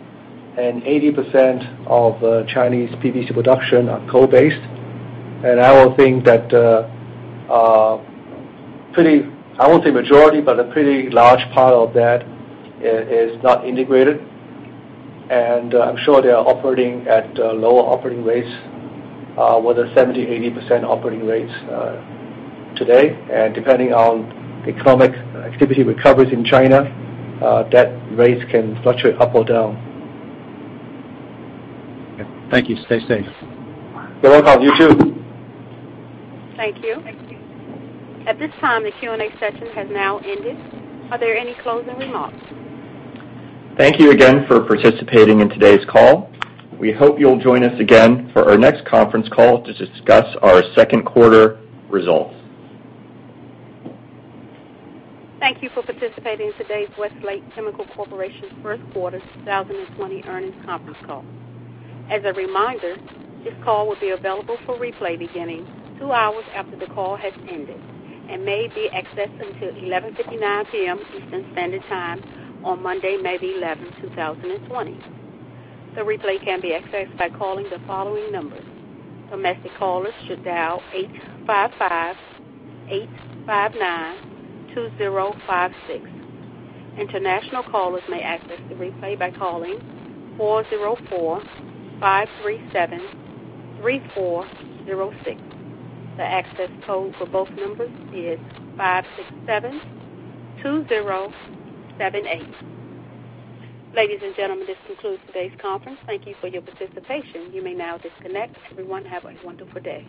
and 80% of Chinese PVC production are coal-based. I would think that, I won't say majority, but a pretty large part of that is not integrated. I'm sure they are operating at lower operating rates, whether 70%, 80% operating rates today. Depending on economic activity recoveries in China, that rates can fluctuate up or down. Okay. Thank you. Stay safe. You're welcome. You too. Thank you. At this time, the Q&A session has now ended. Are there any closing remarks? Thank you again for participating in today's call. We hope you'll join us again for our next conference call to discuss our second quarter results. Thank you for participating in today's Westlake Chemical Corporation first quarter 2020 earnings conference call. As a reminder, this call will be available for replay beginning two hours after the call has ended and may be accessed until 11:59 P.M. Eastern Standard Time on Monday, May 11, 2020. The replay can be accessed by calling the following numbers. Domestic callers should dial 855-859-2056. International callers may access the replay by calling 404-537-3406. The access code for both numbers is 5672078. Ladies and gentlemen, this concludes today's conference. Thank you for your participation. You may now disconnect. Everyone, have a wonderful day.